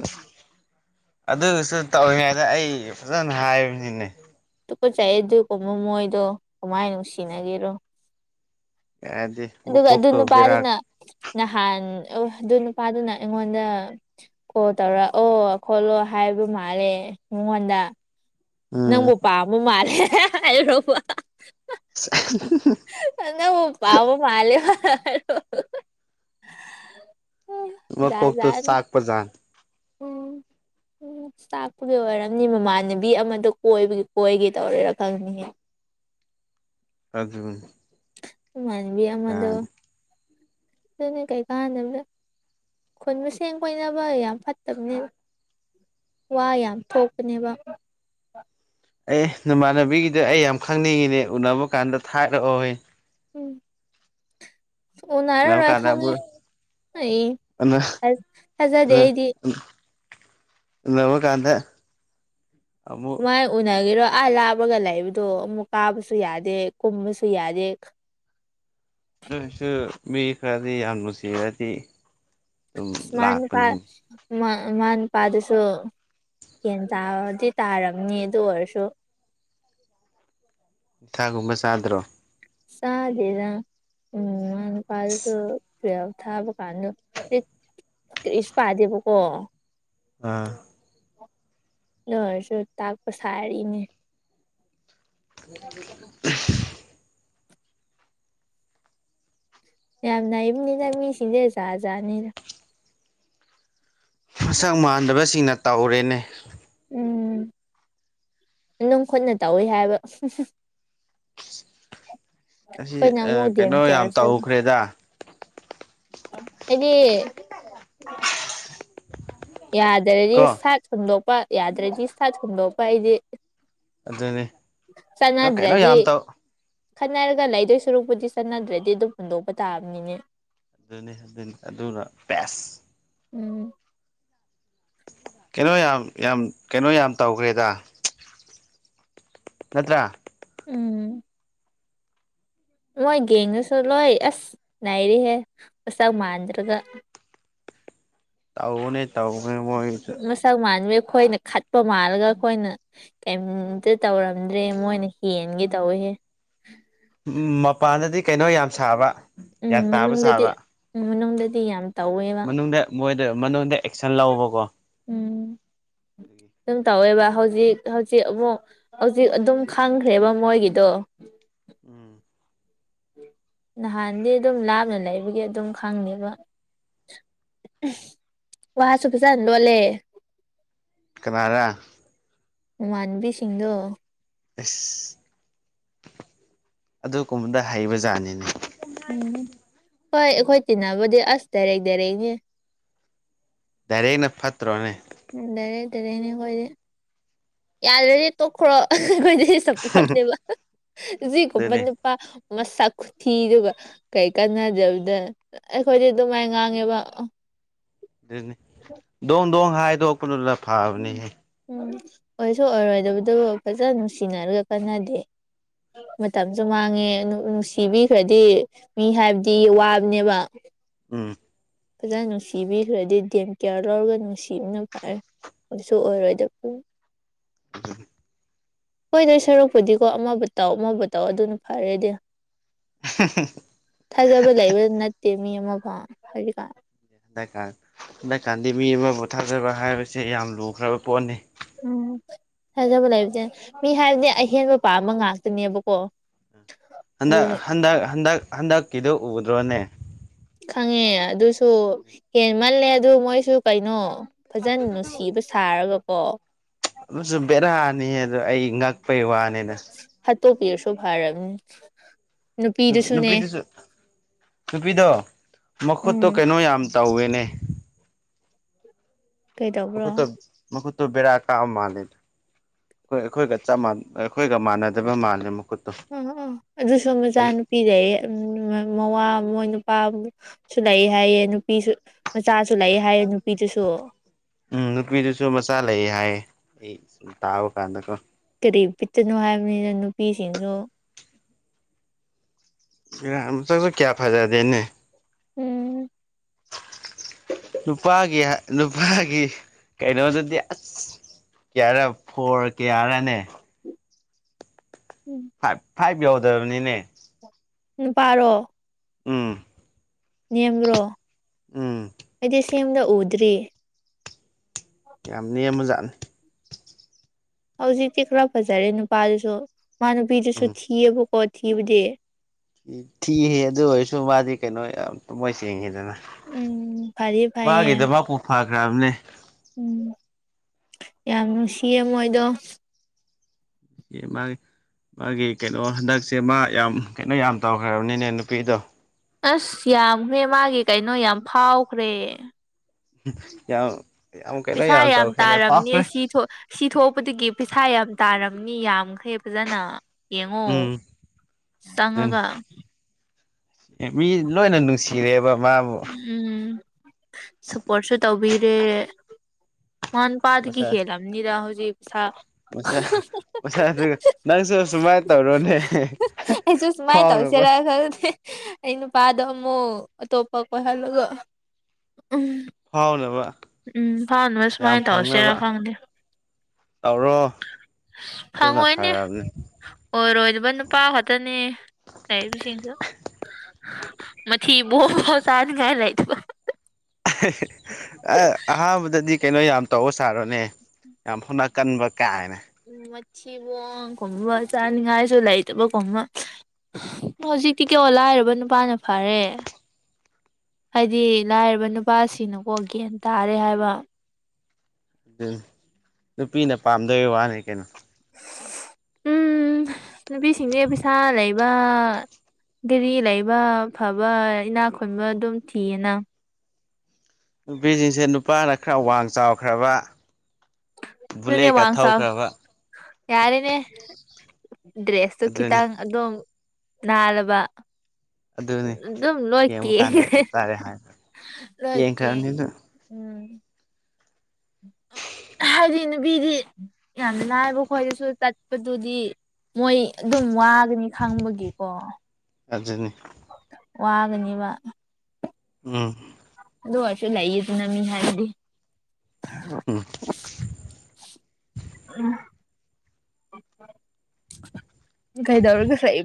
ꯑꯗꯨꯒꯁꯨ ꯇꯧꯔꯤꯉꯩꯗ ꯑꯩ ꯐꯖꯅ ꯍꯥꯏꯕꯅꯤꯅꯦ ꯆꯥꯏꯑꯦ ꯑꯗꯨꯒꯨꯝꯕ ꯃꯣꯏꯗꯣ ꯀꯃꯥꯏꯅ ꯅꯨꯡꯁꯤꯅꯒꯦꯔꯣ ꯑꯗꯤ ꯑꯗꯨꯒ ꯑꯗꯨ ꯅꯨꯄꯥꯗꯨꯅ ꯅꯍꯥꯟ ꯑꯗꯨ ꯅꯨꯄꯥꯗꯨꯅ ꯑꯩꯉꯣꯟꯗ ꯀꯣꯜ ꯇꯧꯔꯛ ꯑꯣ ꯈꯣꯠꯂꯣ ꯍꯥꯏꯕ ꯃꯥꯜꯂꯦ ꯃꯉꯣꯟꯗ ꯎꯝ ꯅꯪꯕꯨꯄꯥꯥꯝꯕ ꯃꯥꯜꯂꯦ ꯍꯥꯏꯔꯣꯕ [unintelligible] ꯑꯉꯥꯡ ꯃꯄꯥꯕꯨ ꯃꯥꯜꯂꯦ ꯃꯥꯗꯣ꯫ ꯃꯀꯣꯛꯇꯨ ꯆꯥꯛꯄ ꯖꯥꯥꯠꯅꯤ [inaudible] ꯎꯝ ꯆꯥꯛꯄꯒꯤ ꯑꯣꯏꯔꯝꯅꯤ ꯃꯃꯥꯟꯅꯕꯤ ꯑꯃꯗꯣ ꯀꯣꯏꯕꯒꯤ ꯀꯣꯏꯒꯦ ꯇꯧꯔꯦꯔꯥ ꯈꯪꯗꯦ ꯑꯗꯨꯒꯅꯦ ꯃꯥꯟꯕꯤ ꯑꯃꯗꯣ ꯑꯗꯨꯅꯤ ꯀꯩꯀꯥꯟꯗꯕꯗ꯫ ꯈꯨꯟ ꯃꯁꯦꯟ ꯀꯣꯏꯅꯕ ꯌꯥꯝ ꯐꯠꯇꯕꯅꯦ ꯋꯥ ꯌꯥꯝ ꯊꯣꯛꯄꯅꯦꯕ ꯑꯦ ꯅꯃꯥꯟꯅꯕꯤꯒꯤꯗ ꯑꯩ ꯌꯥꯝ ꯈꯪꯅꯤꯡꯉꯤꯅꯦ ꯎꯅꯕ ꯀꯥꯟꯗ ꯊꯥꯔꯛꯑꯣꯍ ꯎꯅꯕ ꯎꯅꯔꯔꯣꯏ ꯀꯥꯟꯗ ꯈꯥꯉꯦ ꯑꯃꯨꯛ ꯑꯩ ꯎꯅ ꯑꯁ ꯊꯥꯖꯗꯦ ꯎꯅ ꯑꯩꯗꯤ ꯎꯅꯕ ꯀꯥꯟꯗ ꯑꯃꯨꯛ ꯃꯥꯏ ꯎꯅꯒꯤꯔꯣ ꯑꯥ ꯂꯥꯞꯄꯒ ꯂꯩꯕꯗꯣ ꯑꯃꯨꯛ ꯀꯥꯕꯁꯨ ꯌꯥꯗꯦ ꯀꯨꯝꯕꯁꯨ ꯌꯥꯗꯦ ꯑꯗꯨꯁꯨ ꯃꯤ ꯈꯔꯗꯤ ꯌꯥꯝ ꯅꯨꯡꯁꯤꯔꯗꯤ ꯑꯗꯨꯝ [unintelligible] ꯂꯥꯛꯄꯅꯤꯅꯦ ꯃꯃꯥ ꯅꯨꯄꯥꯗꯨꯁꯨ ꯒꯦꯟ ꯇꯥꯗꯤ ꯇꯥꯔꯝꯅꯤ ꯑꯗꯨ ꯑꯣꯏꯔꯁꯨ ꯊꯥꯒꯨꯝꯕ ꯆꯥꯗ꯭ꯔꯣ ꯆꯥꯗꯦꯗ ꯎꯝ ꯃꯥ ꯅꯨꯄꯗꯨꯁꯨ [unintelligible] ꯊꯥꯕ ꯀꯥꯟꯗ ꯀꯔꯤꯁ ꯄꯥꯗꯦꯕꯀꯣ ꯑꯥ ꯅꯣꯏꯔꯁꯨ ꯇꯥꯛꯄ ꯁꯥꯔꯤꯅꯦ ꯍ ꯌꯥꯝ ꯅꯥꯏꯕꯅꯤꯅ ꯃꯤꯁꯤꯡꯁꯦ ꯖꯥꯠ ꯖꯥꯅꯤꯗ ꯃꯁꯛ ꯃꯥꯟꯗꯕꯁꯤꯡꯅ ꯇꯧꯔꯦꯅꯦ ꯎꯝ ꯅꯝ ꯈꯨꯠꯅ ꯇꯧꯋꯤ ꯍꯥꯏꯕ ꯑꯁꯤ ꯄꯩꯅꯃꯣꯗꯤ ꯌꯥꯝꯦꯝ ꯀꯩꯅꯣ ꯀꯌꯥꯔ ꯌꯥꯝ ꯁꯥ ꯇꯧꯈ꯭ꯔꯦꯗ ꯍꯥꯏꯗꯤ ꯌꯥꯗ꯭ꯔꯗꯤ ꯀꯣ ꯁꯥꯠ ꯁꯟꯗꯣꯛꯄ ꯌꯥꯗ꯭ꯔꯗꯤ ꯁꯥꯠ ꯁꯟꯗꯣꯛꯄ ꯑꯩꯗꯤ ꯑꯗꯨꯅꯤ ꯑꯗꯣ ꯀꯩꯅꯣ ꯆꯅꯥꯗ꯭ꯔꯗꯤ ꯌꯥꯝ ꯇꯧ ꯈꯟꯅꯔꯒ ꯂꯩꯗꯣꯏ ꯁꯔꯨꯔꯛꯄꯨꯗꯤ ꯆꯠꯅꯗ꯭ꯔꯗꯤ ꯑꯗꯨꯝ ꯍꯨꯟꯗꯣꯛꯄ ꯇꯥꯕꯅꯤꯅꯦ ꯑꯗꯨꯅꯤ ꯑꯗꯨꯅꯤ ꯑꯗꯨꯅ ꯄꯦꯁ ꯎꯝ ꯀꯩꯅꯣ ꯌꯥꯝ ꯌꯥꯝ ꯀꯩꯅꯣ ꯌꯥꯝ ꯇꯧꯈ꯭ꯔꯦꯗ ꯅꯠꯇ꯭ꯔꯥ ꯎꯝ ꯃꯣꯏ ꯒꯦꯡꯉꯁꯨ ꯂꯣꯏ ꯑꯁ ꯅꯥꯏꯔꯤꯍꯦ ꯆꯥꯛ ꯃꯥꯟꯗ꯭ꯔꯒ ꯇꯥꯎ ꯃꯅꯦ ꯇꯥꯎ ꯃ ꯃꯣꯏ ꯃꯁꯛ ꯃꯥꯟꯕꯤ ꯑꯩꯈꯣꯏꯅ ꯈꯠꯄ ꯃꯥꯜꯂꯒ ꯑꯩꯈꯣꯏꯅ ꯀꯩꯝꯇ ꯇꯧꯔꯝꯗ꯭ꯔꯦ ꯃꯣꯏꯅ ꯍꯦꯟꯒꯦ ꯇꯧꯍꯦ ꯃꯄꯥꯟꯗꯗꯤ ꯀꯩꯅꯣ ꯌꯥꯝ ꯁꯥꯕ ꯎꯝ ꯒ꯭ꯌꯥꯟ ꯇꯥꯕ ꯃꯅꯨꯡꯗꯗꯤ ꯁꯥꯕ ꯎꯝ ꯃꯅꯨꯡꯗꯗꯤ ꯌꯥꯝ ꯇꯧꯋꯦꯕ ꯃꯅꯨꯡꯗ ꯃꯣꯏꯗ ꯃꯅꯨꯡꯗ ꯑꯦꯛꯁꯟ ꯂꯧꯕꯀꯣ ꯎꯝ ꯁꯨꯝ ꯇꯧꯋꯦꯕ ꯍꯧꯖꯤꯛ ꯍꯧꯖꯤꯛ ꯑꯃꯨꯛ ꯍꯧꯖꯤꯛ ꯑꯗꯨꯝ ꯈꯪꯈ꯭ꯔꯦꯕ ꯃꯣꯏꯒꯤꯗꯣ ꯎꯝ ꯅꯍꯥꯟꯗꯤ ꯑꯗꯨꯝ ꯂꯥꯞꯅ ꯂꯩꯕꯒꯤ ꯑꯗꯨꯝ ꯈꯪꯏꯕ ꯋꯥꯁꯨ ꯄꯩꯁꯥ ꯂꯣꯜꯂꯦ ꯀꯅꯥꯔꯥ ꯃꯥꯟꯕꯤꯁꯤꯡꯗꯣ ꯑꯁ ꯑꯗꯨ ꯀꯨꯝꯕꯗ ꯍꯩꯕ ꯖꯥꯠꯅꯤꯅꯦ ꯎꯝ ꯍꯣꯏ ꯑꯩꯈꯣꯏ ꯇꯤꯟꯅꯕꯗꯤ ꯑꯁ ꯇꯗꯥꯔꯦ ꯗꯔꯛꯅꯤ ꯗꯥꯏꯔꯦꯛꯅ ꯐꯠꯇ꯭ꯔꯣꯅꯦ ꯎꯝ ꯗꯔꯦ ꯇꯔꯦꯅꯦ ꯑꯩꯈꯣꯏꯗꯤ ꯌꯥꯗ꯭ꯔꯗꯤ ꯇꯣꯛꯈ꯭ꯔꯣ ꯆꯄꯣꯅꯦꯕꯖꯤ ꯀꯣ ꯑꯗꯨꯅꯤ ꯄꯥ ꯃꯁꯛ ꯈꯨꯊꯤꯗꯨꯒ ꯀꯩ ꯀꯥꯟꯅꯗꯕꯗ꯫ ꯑꯩꯈꯣꯏꯗꯤ ꯑꯗꯨꯃꯥꯏ ꯉꯥꯡꯉꯦꯕ ꯑꯗꯨꯅꯦ ꯗꯣꯡ ꯗꯣꯡ ꯍꯥꯏꯗꯣꯛꯄꯗꯨꯅ ꯐꯕꯅꯤꯍ ꯎꯝ ꯑꯣꯏꯁꯨ ꯑꯣꯏꯔꯣꯏꯗꯕꯗꯨꯕꯨ ꯐꯖꯅ ꯅꯨꯡꯁꯤꯅꯔꯒ ꯀꯅꯗꯦ ꯃꯇꯝꯁꯨ ꯃꯥꯡꯉꯦ ꯅꯨꯡꯁꯤꯕꯤꯈ꯭ꯔꯗꯤ ꯃꯤ ꯍꯥꯏꯕꯗꯤ ꯋꯥꯕꯅꯦꯕ ꯎꯝ꯫ ꯐꯖꯅ ꯅꯨꯡꯁꯤꯕꯤꯈ꯭ꯔꯗꯤ ꯗꯦꯝ ꯀꯤꯌꯔ ꯂꯧꯔꯒ ꯅꯨꯡꯁꯤꯕꯅ ꯐꯔꯦ꯫ ꯑꯗꯨꯁꯨ ꯑꯣꯏꯔꯣꯏꯗꯕ ꯑꯗꯨ ꯎꯝ ꯀꯣꯏꯗꯧ ꯁꯔꯨꯛꯄꯨꯗꯤꯀꯣ ꯑꯃꯕꯨ ꯇꯧ ꯑꯃꯕꯨ ꯇꯧ ꯑꯗꯨꯅ ꯐꯔꯦꯗꯤꯑ꯫ [unintelligible] ꯊꯥꯖꯕ ꯂꯩꯕꯗꯨ ꯅꯠꯇꯦ ꯃꯤ ꯑꯃꯐꯥꯎ ꯇ ꯍꯗꯛꯀ ꯍꯟꯗꯛꯀꯥꯟꯗꯤ ꯃꯤ ꯑꯃ ꯄꯣꯊꯥꯖꯕ ꯍꯥꯏꯕꯁꯦ ꯌꯥꯝ ꯂꯨꯈ꯭ꯔꯕ ꯄꯣꯠꯅꯤ ꯎꯝ ꯊꯖꯕ ꯂꯩꯕꯁꯦ ꯃꯤ ꯍꯥꯏꯕꯗꯤ ꯑꯍꯦꯟꯕꯄꯥꯥ ꯑꯃ ꯉꯥꯛꯇꯅꯦꯕꯀꯣ ꯑꯗꯨ ꯍꯟꯗꯛ ꯍꯟꯗꯛ ꯍꯟꯗꯛ ꯍꯟꯗꯛꯀꯤꯗꯨꯣ ꯎꯗ꯭ꯔꯣꯅꯦ ꯈꯪꯉꯦ ꯑꯗꯨꯁꯨ ꯍꯦꯟꯃꯜꯂꯦ ꯑꯗꯨ ꯃꯣꯏꯁꯨ ꯀꯩꯅꯣ꯫ ꯐꯖꯅ ꯅꯨꯡꯁꯤꯕ ꯁꯥꯔꯒꯀꯣ ꯑꯗꯨꯁꯨ ꯕꯦꯔꯥꯅꯤ ꯑꯗ ꯑꯩ ꯉꯛꯄꯩ ꯋꯥꯅꯤꯅ ꯍꯥꯠꯇꯧ ꯄꯔ ꯁꯣ ꯍꯥꯏꯔ ꯅꯨꯄꯤꯗꯨꯁꯨ ꯅꯨꯄꯤꯗꯣ ꯃꯈꯨꯠꯇꯣ ꯎꯝ ꯀꯩꯅꯣ ꯌꯥꯝ ꯇꯧꯋꯦꯅꯦ ꯀꯩꯗꯧꯕ꯭ꯔꯣ ꯃꯈꯀꯣꯏꯠꯇ ꯃꯈꯀꯣꯏꯠꯇ ꯕꯔꯥ ꯀꯥ ꯃꯥꯂ ꯑꯩꯣꯏ ꯑꯩꯈꯣꯏꯒ ꯆꯞꯥꯟ ꯑꯩꯈꯣꯏꯒ ꯃꯥꯟꯅꯗꯕ ꯃꯥꯜꯂꯦ ꯃꯈꯨꯠ ꯑꯣ ꯑꯗꯨ ꯁ ꯆꯥ ꯅꯨꯄꯤ ꯂꯩ ꯃꯋꯥ ꯃꯣꯏ ꯅꯨꯄꯥꯁꯨ ꯂꯩ ꯍꯥꯏꯌꯦ ꯅꯨꯄꯤꯁꯨ ꯃꯆꯥꯁꯨ ꯂꯩ ꯍꯥꯏꯌꯦ ꯅꯨꯄꯤꯗꯨꯁꯨ꯫ ꯎꯝ ꯅꯨꯄꯤꯗꯨꯁꯨ ꯃꯆꯥ ꯂꯩ ꯍꯥꯏꯌꯦ ꯑꯩ ꯁꯨꯝ ꯇꯥꯕ ꯀꯥꯟꯗꯀꯣ ꯀꯔꯤ ꯄꯤꯠꯇꯅꯣ ꯍꯥꯏꯕꯅꯤꯅ ꯅꯨꯄꯤꯁꯤꯡꯁꯨ ꯆꯁꯨ ꯀꯌꯥ ꯐꯥꯏꯗꯗꯦꯅꯦ ꯎꯝ ꯅꯨꯄꯥꯒꯤ ꯅꯨꯄꯥꯒꯤ ꯀꯩꯅꯣꯗꯗꯤ ꯑꯁ ꯀꯌꯥꯔ ꯐꯣꯔ ꯀꯌꯥꯔꯅꯦ ꯎꯝ ꯐꯥꯏꯚ ꯐꯥꯏꯚ ꯌꯎꯗꯕꯅꯤꯅꯦ ꯅꯨꯄꯥꯔꯣ ꯎꯝ ꯅꯦꯝꯕ꯭ꯔꯣ ꯎꯝ ꯑꯩꯗꯤ ꯁꯦꯝꯗ ꯎꯗ꯭ꯔꯤ ꯌꯥꯝ ꯅꯦꯝꯕꯖꯥꯠꯅꯤ ꯍꯧꯖꯤꯛꯇꯤ ꯈꯔ ꯐꯖꯔꯦ ꯅꯨꯄꯥꯗꯨꯁꯨ ꯃꯥ ꯅꯨꯄꯤꯗꯨꯁꯨ ꯎꯝ ꯊꯤꯌꯦꯕꯀꯣ ꯊꯤꯕꯗꯤ ꯊꯤꯍ ꯑꯗꯨ ꯑꯣꯏꯔꯁꯨ ꯃꯥꯗꯤ ꯀꯩꯅꯣ ꯌꯥꯝ ꯇ ꯃꯣꯏ ꯆꯦꯡꯉꯤꯗꯅ ꯎꯝ ꯐꯗꯤ ꯐꯩꯌꯦ ꯃꯥꯒꯤꯗ ꯃꯥꯄꯨ ꯐꯈ꯭ꯔꯕꯅꯦ ꯎꯝ ꯌꯥꯝ ꯅꯨꯡꯁꯤꯌꯦ ꯃꯣꯏꯗꯣ ꯑꯦ ꯃꯥꯒꯤ ꯃꯥꯒꯤ ꯀꯩꯅꯣ ꯍꯟꯗꯛꯁꯦ ꯃꯥ ꯌꯥꯝ ꯀꯩꯅꯣ ꯌꯥꯝ ꯇꯧꯈ꯭ꯔꯕꯅꯤꯅꯦ ꯅꯨꯄꯤꯗꯣ ꯑꯁ ꯌꯥꯝꯈ꯭ꯔꯦ ꯃꯥꯒꯤ ꯀꯩꯅꯣ ꯌꯥꯝ ꯐꯥꯎꯈ꯭ꯔꯦ꯫ ꯌꯥꯝ ꯌꯥꯝ ꯀꯩꯅꯣ ꯄꯩꯁꯥ ꯌꯥꯝ ꯇꯧꯈ꯭ꯔꯦꯅꯦ ꯇꯥꯜꯂꯕꯅꯦ ꯐꯥꯈ꯭ꯔꯦ ꯁꯤ ꯊꯣꯛ ꯁꯤ ꯊꯣꯛꯄꯗꯒꯤ ꯄꯩꯁꯥ ꯌꯥꯝ ꯇꯥꯔꯝꯅꯤ ꯌꯥꯝꯈ꯭ꯔꯦ ꯐꯖꯅ ꯌꯦꯡꯉꯣ ꯎꯝ ꯆꯪꯉꯒ ꯑꯦ ꯃꯤ ꯂꯣꯏꯅ ꯅꯨꯡꯁꯤꯔꯦꯕ ꯃꯥꯕꯨ ꯎꯝ ꯁꯄꯣꯔꯠꯁꯨ ꯇꯧꯕꯤꯔꯦ ꯃꯟ ꯄꯗꯦ ꯀ ꯈꯦꯂꯅꯤꯗ ꯍꯧꯖꯤꯛ ꯁꯥ ꯑꯣꯁꯥ ꯑꯣꯁꯥꯗꯨ ꯅꯪꯁꯨ ꯁꯨꯃꯥꯏꯅ ꯇꯧꯔꯣꯅꯦ ꯑꯩꯁꯨ ꯁꯨꯃꯥꯏꯅ ꯐꯥꯎꯅꯕ ꯇꯧꯁꯤꯦꯔ ꯈꯜꯦ ꯑꯩ ꯅꯨꯄꯥꯗꯣ ꯑꯃꯨꯛ ꯑꯇꯣꯞꯄ ꯀꯣꯏꯍꯜꯂꯒ ꯎ ꯐꯥꯎꯅꯕ ꯎꯝ ꯐꯪꯅꯕꯕ ꯌꯥꯝ ꯁꯨꯃꯥꯏꯅ ꯐꯪꯅꯕ ꯇꯧꯔꯁꯤꯔꯥ ꯐꯪꯗꯦ ꯇꯧꯔꯣ ꯑꯗꯨꯅ ꯐꯪꯉꯣꯏꯅꯦ ꯐꯔꯕꯅꯦ꯫ ꯑꯣꯏꯔꯣꯏꯗꯕ ꯅꯨꯄꯥ ꯈꯛꯇꯅꯤ ꯂꯩꯔꯤꯕꯁꯤꯡꯁꯨ ꯃꯊꯤꯕꯣꯛ ꯐꯤꯘ ꯆꯥꯅꯥꯡꯉꯥꯢ ꯂꯩꯇꯕ ꯑꯍꯥꯟꯕꯗꯗꯤ ꯀꯩꯅꯣ ꯌꯥꯝ ꯇꯧꯔ ꯁꯥꯔꯣꯅꯦ ꯌꯥꯝ ꯐꯥꯎꯅ ꯀꯟꯕ ꯀꯌꯥ ꯍꯥꯏꯅ ꯎ ꯃꯊꯤꯕ ꯀꯨꯝꯕ ꯆꯥꯅꯤꯡꯉꯥꯏꯁꯨ ꯂꯩꯇꯕ ꯀꯨꯝꯕ ꯍꯧꯖꯤꯛꯇꯤ ꯂꯥꯏꯔꯕ ꯅꯨꯄꯥꯅ ꯐꯔꯦ꯫ ꯍꯥꯏꯗꯤ ꯂꯥꯏꯔꯕ ꯅꯨꯄꯥꯁꯤꯅꯀꯣ ꯒꯦꯟ ꯇꯥꯔꯦ ꯍꯥꯏꯕ ꯑꯗꯨ ꯅꯨꯄꯤꯅ ꯄꯥꯝꯗꯕꯩ ꯋꯥꯅꯤ ꯀꯩꯅꯣ ꯎꯝ ꯅꯨꯄꯤꯁꯤꯡꯁ ꯄꯩꯁꯥ ꯂꯩ ꯕ ꯒꯥꯔꯤ ꯂꯩꯕ ꯐꯕ ꯏꯅꯥ ꯈꯨꯟꯕ ꯑꯗꯨꯝ ꯊꯤꯌꯦꯅ ꯅꯨꯄꯤꯁꯤꯡꯖꯦ ꯅꯨꯄꯥꯅ ꯈꯔ ꯋꯥꯡ ꯆꯥꯎꯈ꯭ꯔꯕ ꯅꯪꯅꯦ ꯕꯨꯂꯦꯠꯀ ꯋꯥꯡ ꯆꯥꯎ ꯊꯧꯈ꯭ꯔꯕ ꯌꯥꯔꯦꯅꯦ ꯗ꯭ꯔꯦꯁꯇꯨ ꯑꯗꯨꯅꯤ ꯈꯤꯇꯪ ꯑꯗꯣꯝ ꯅꯥꯜꯂꯕ ꯑꯗꯨꯅꯤ ꯑꯗꯨꯝ ꯂꯣꯢ ꯌꯦꯡꯕ ꯀꯥꯟꯗ ꯀꯦꯟꯈ꯭ꯔꯦ ꯆꯞ ꯆꯥꯔꯦ ꯍꯥꯏ ꯂꯣꯢ ꯀꯦꯡ ꯌꯦꯡꯈ꯭ꯔꯕꯅꯤ ꯑꯗꯨ ꯎꯝ ꯍꯥꯏꯗꯤ ꯅꯨꯄꯤꯗꯤ ꯌꯥꯝ ꯂꯥꯏꯕ ꯈꯣꯏꯗꯁꯨ ꯆꯠꯄꯗꯨꯗꯤ ꯃꯣꯏ ꯑꯗꯨꯝ ꯋꯥꯒꯅꯤ ꯈꯪꯕꯒꯤꯀꯣ ꯑꯗꯨꯅꯤ ꯋꯥꯒꯅꯤꯕ ꯎꯝ ꯑꯗꯨ ꯑꯣꯏꯁꯨ ꯂꯩꯌꯦꯗꯅ ꯃꯤ ꯍꯥꯏꯁꯤꯗꯤ ꯎꯝ ꯎꯝ ꯀꯩꯗꯧꯔꯒ ꯂꯩ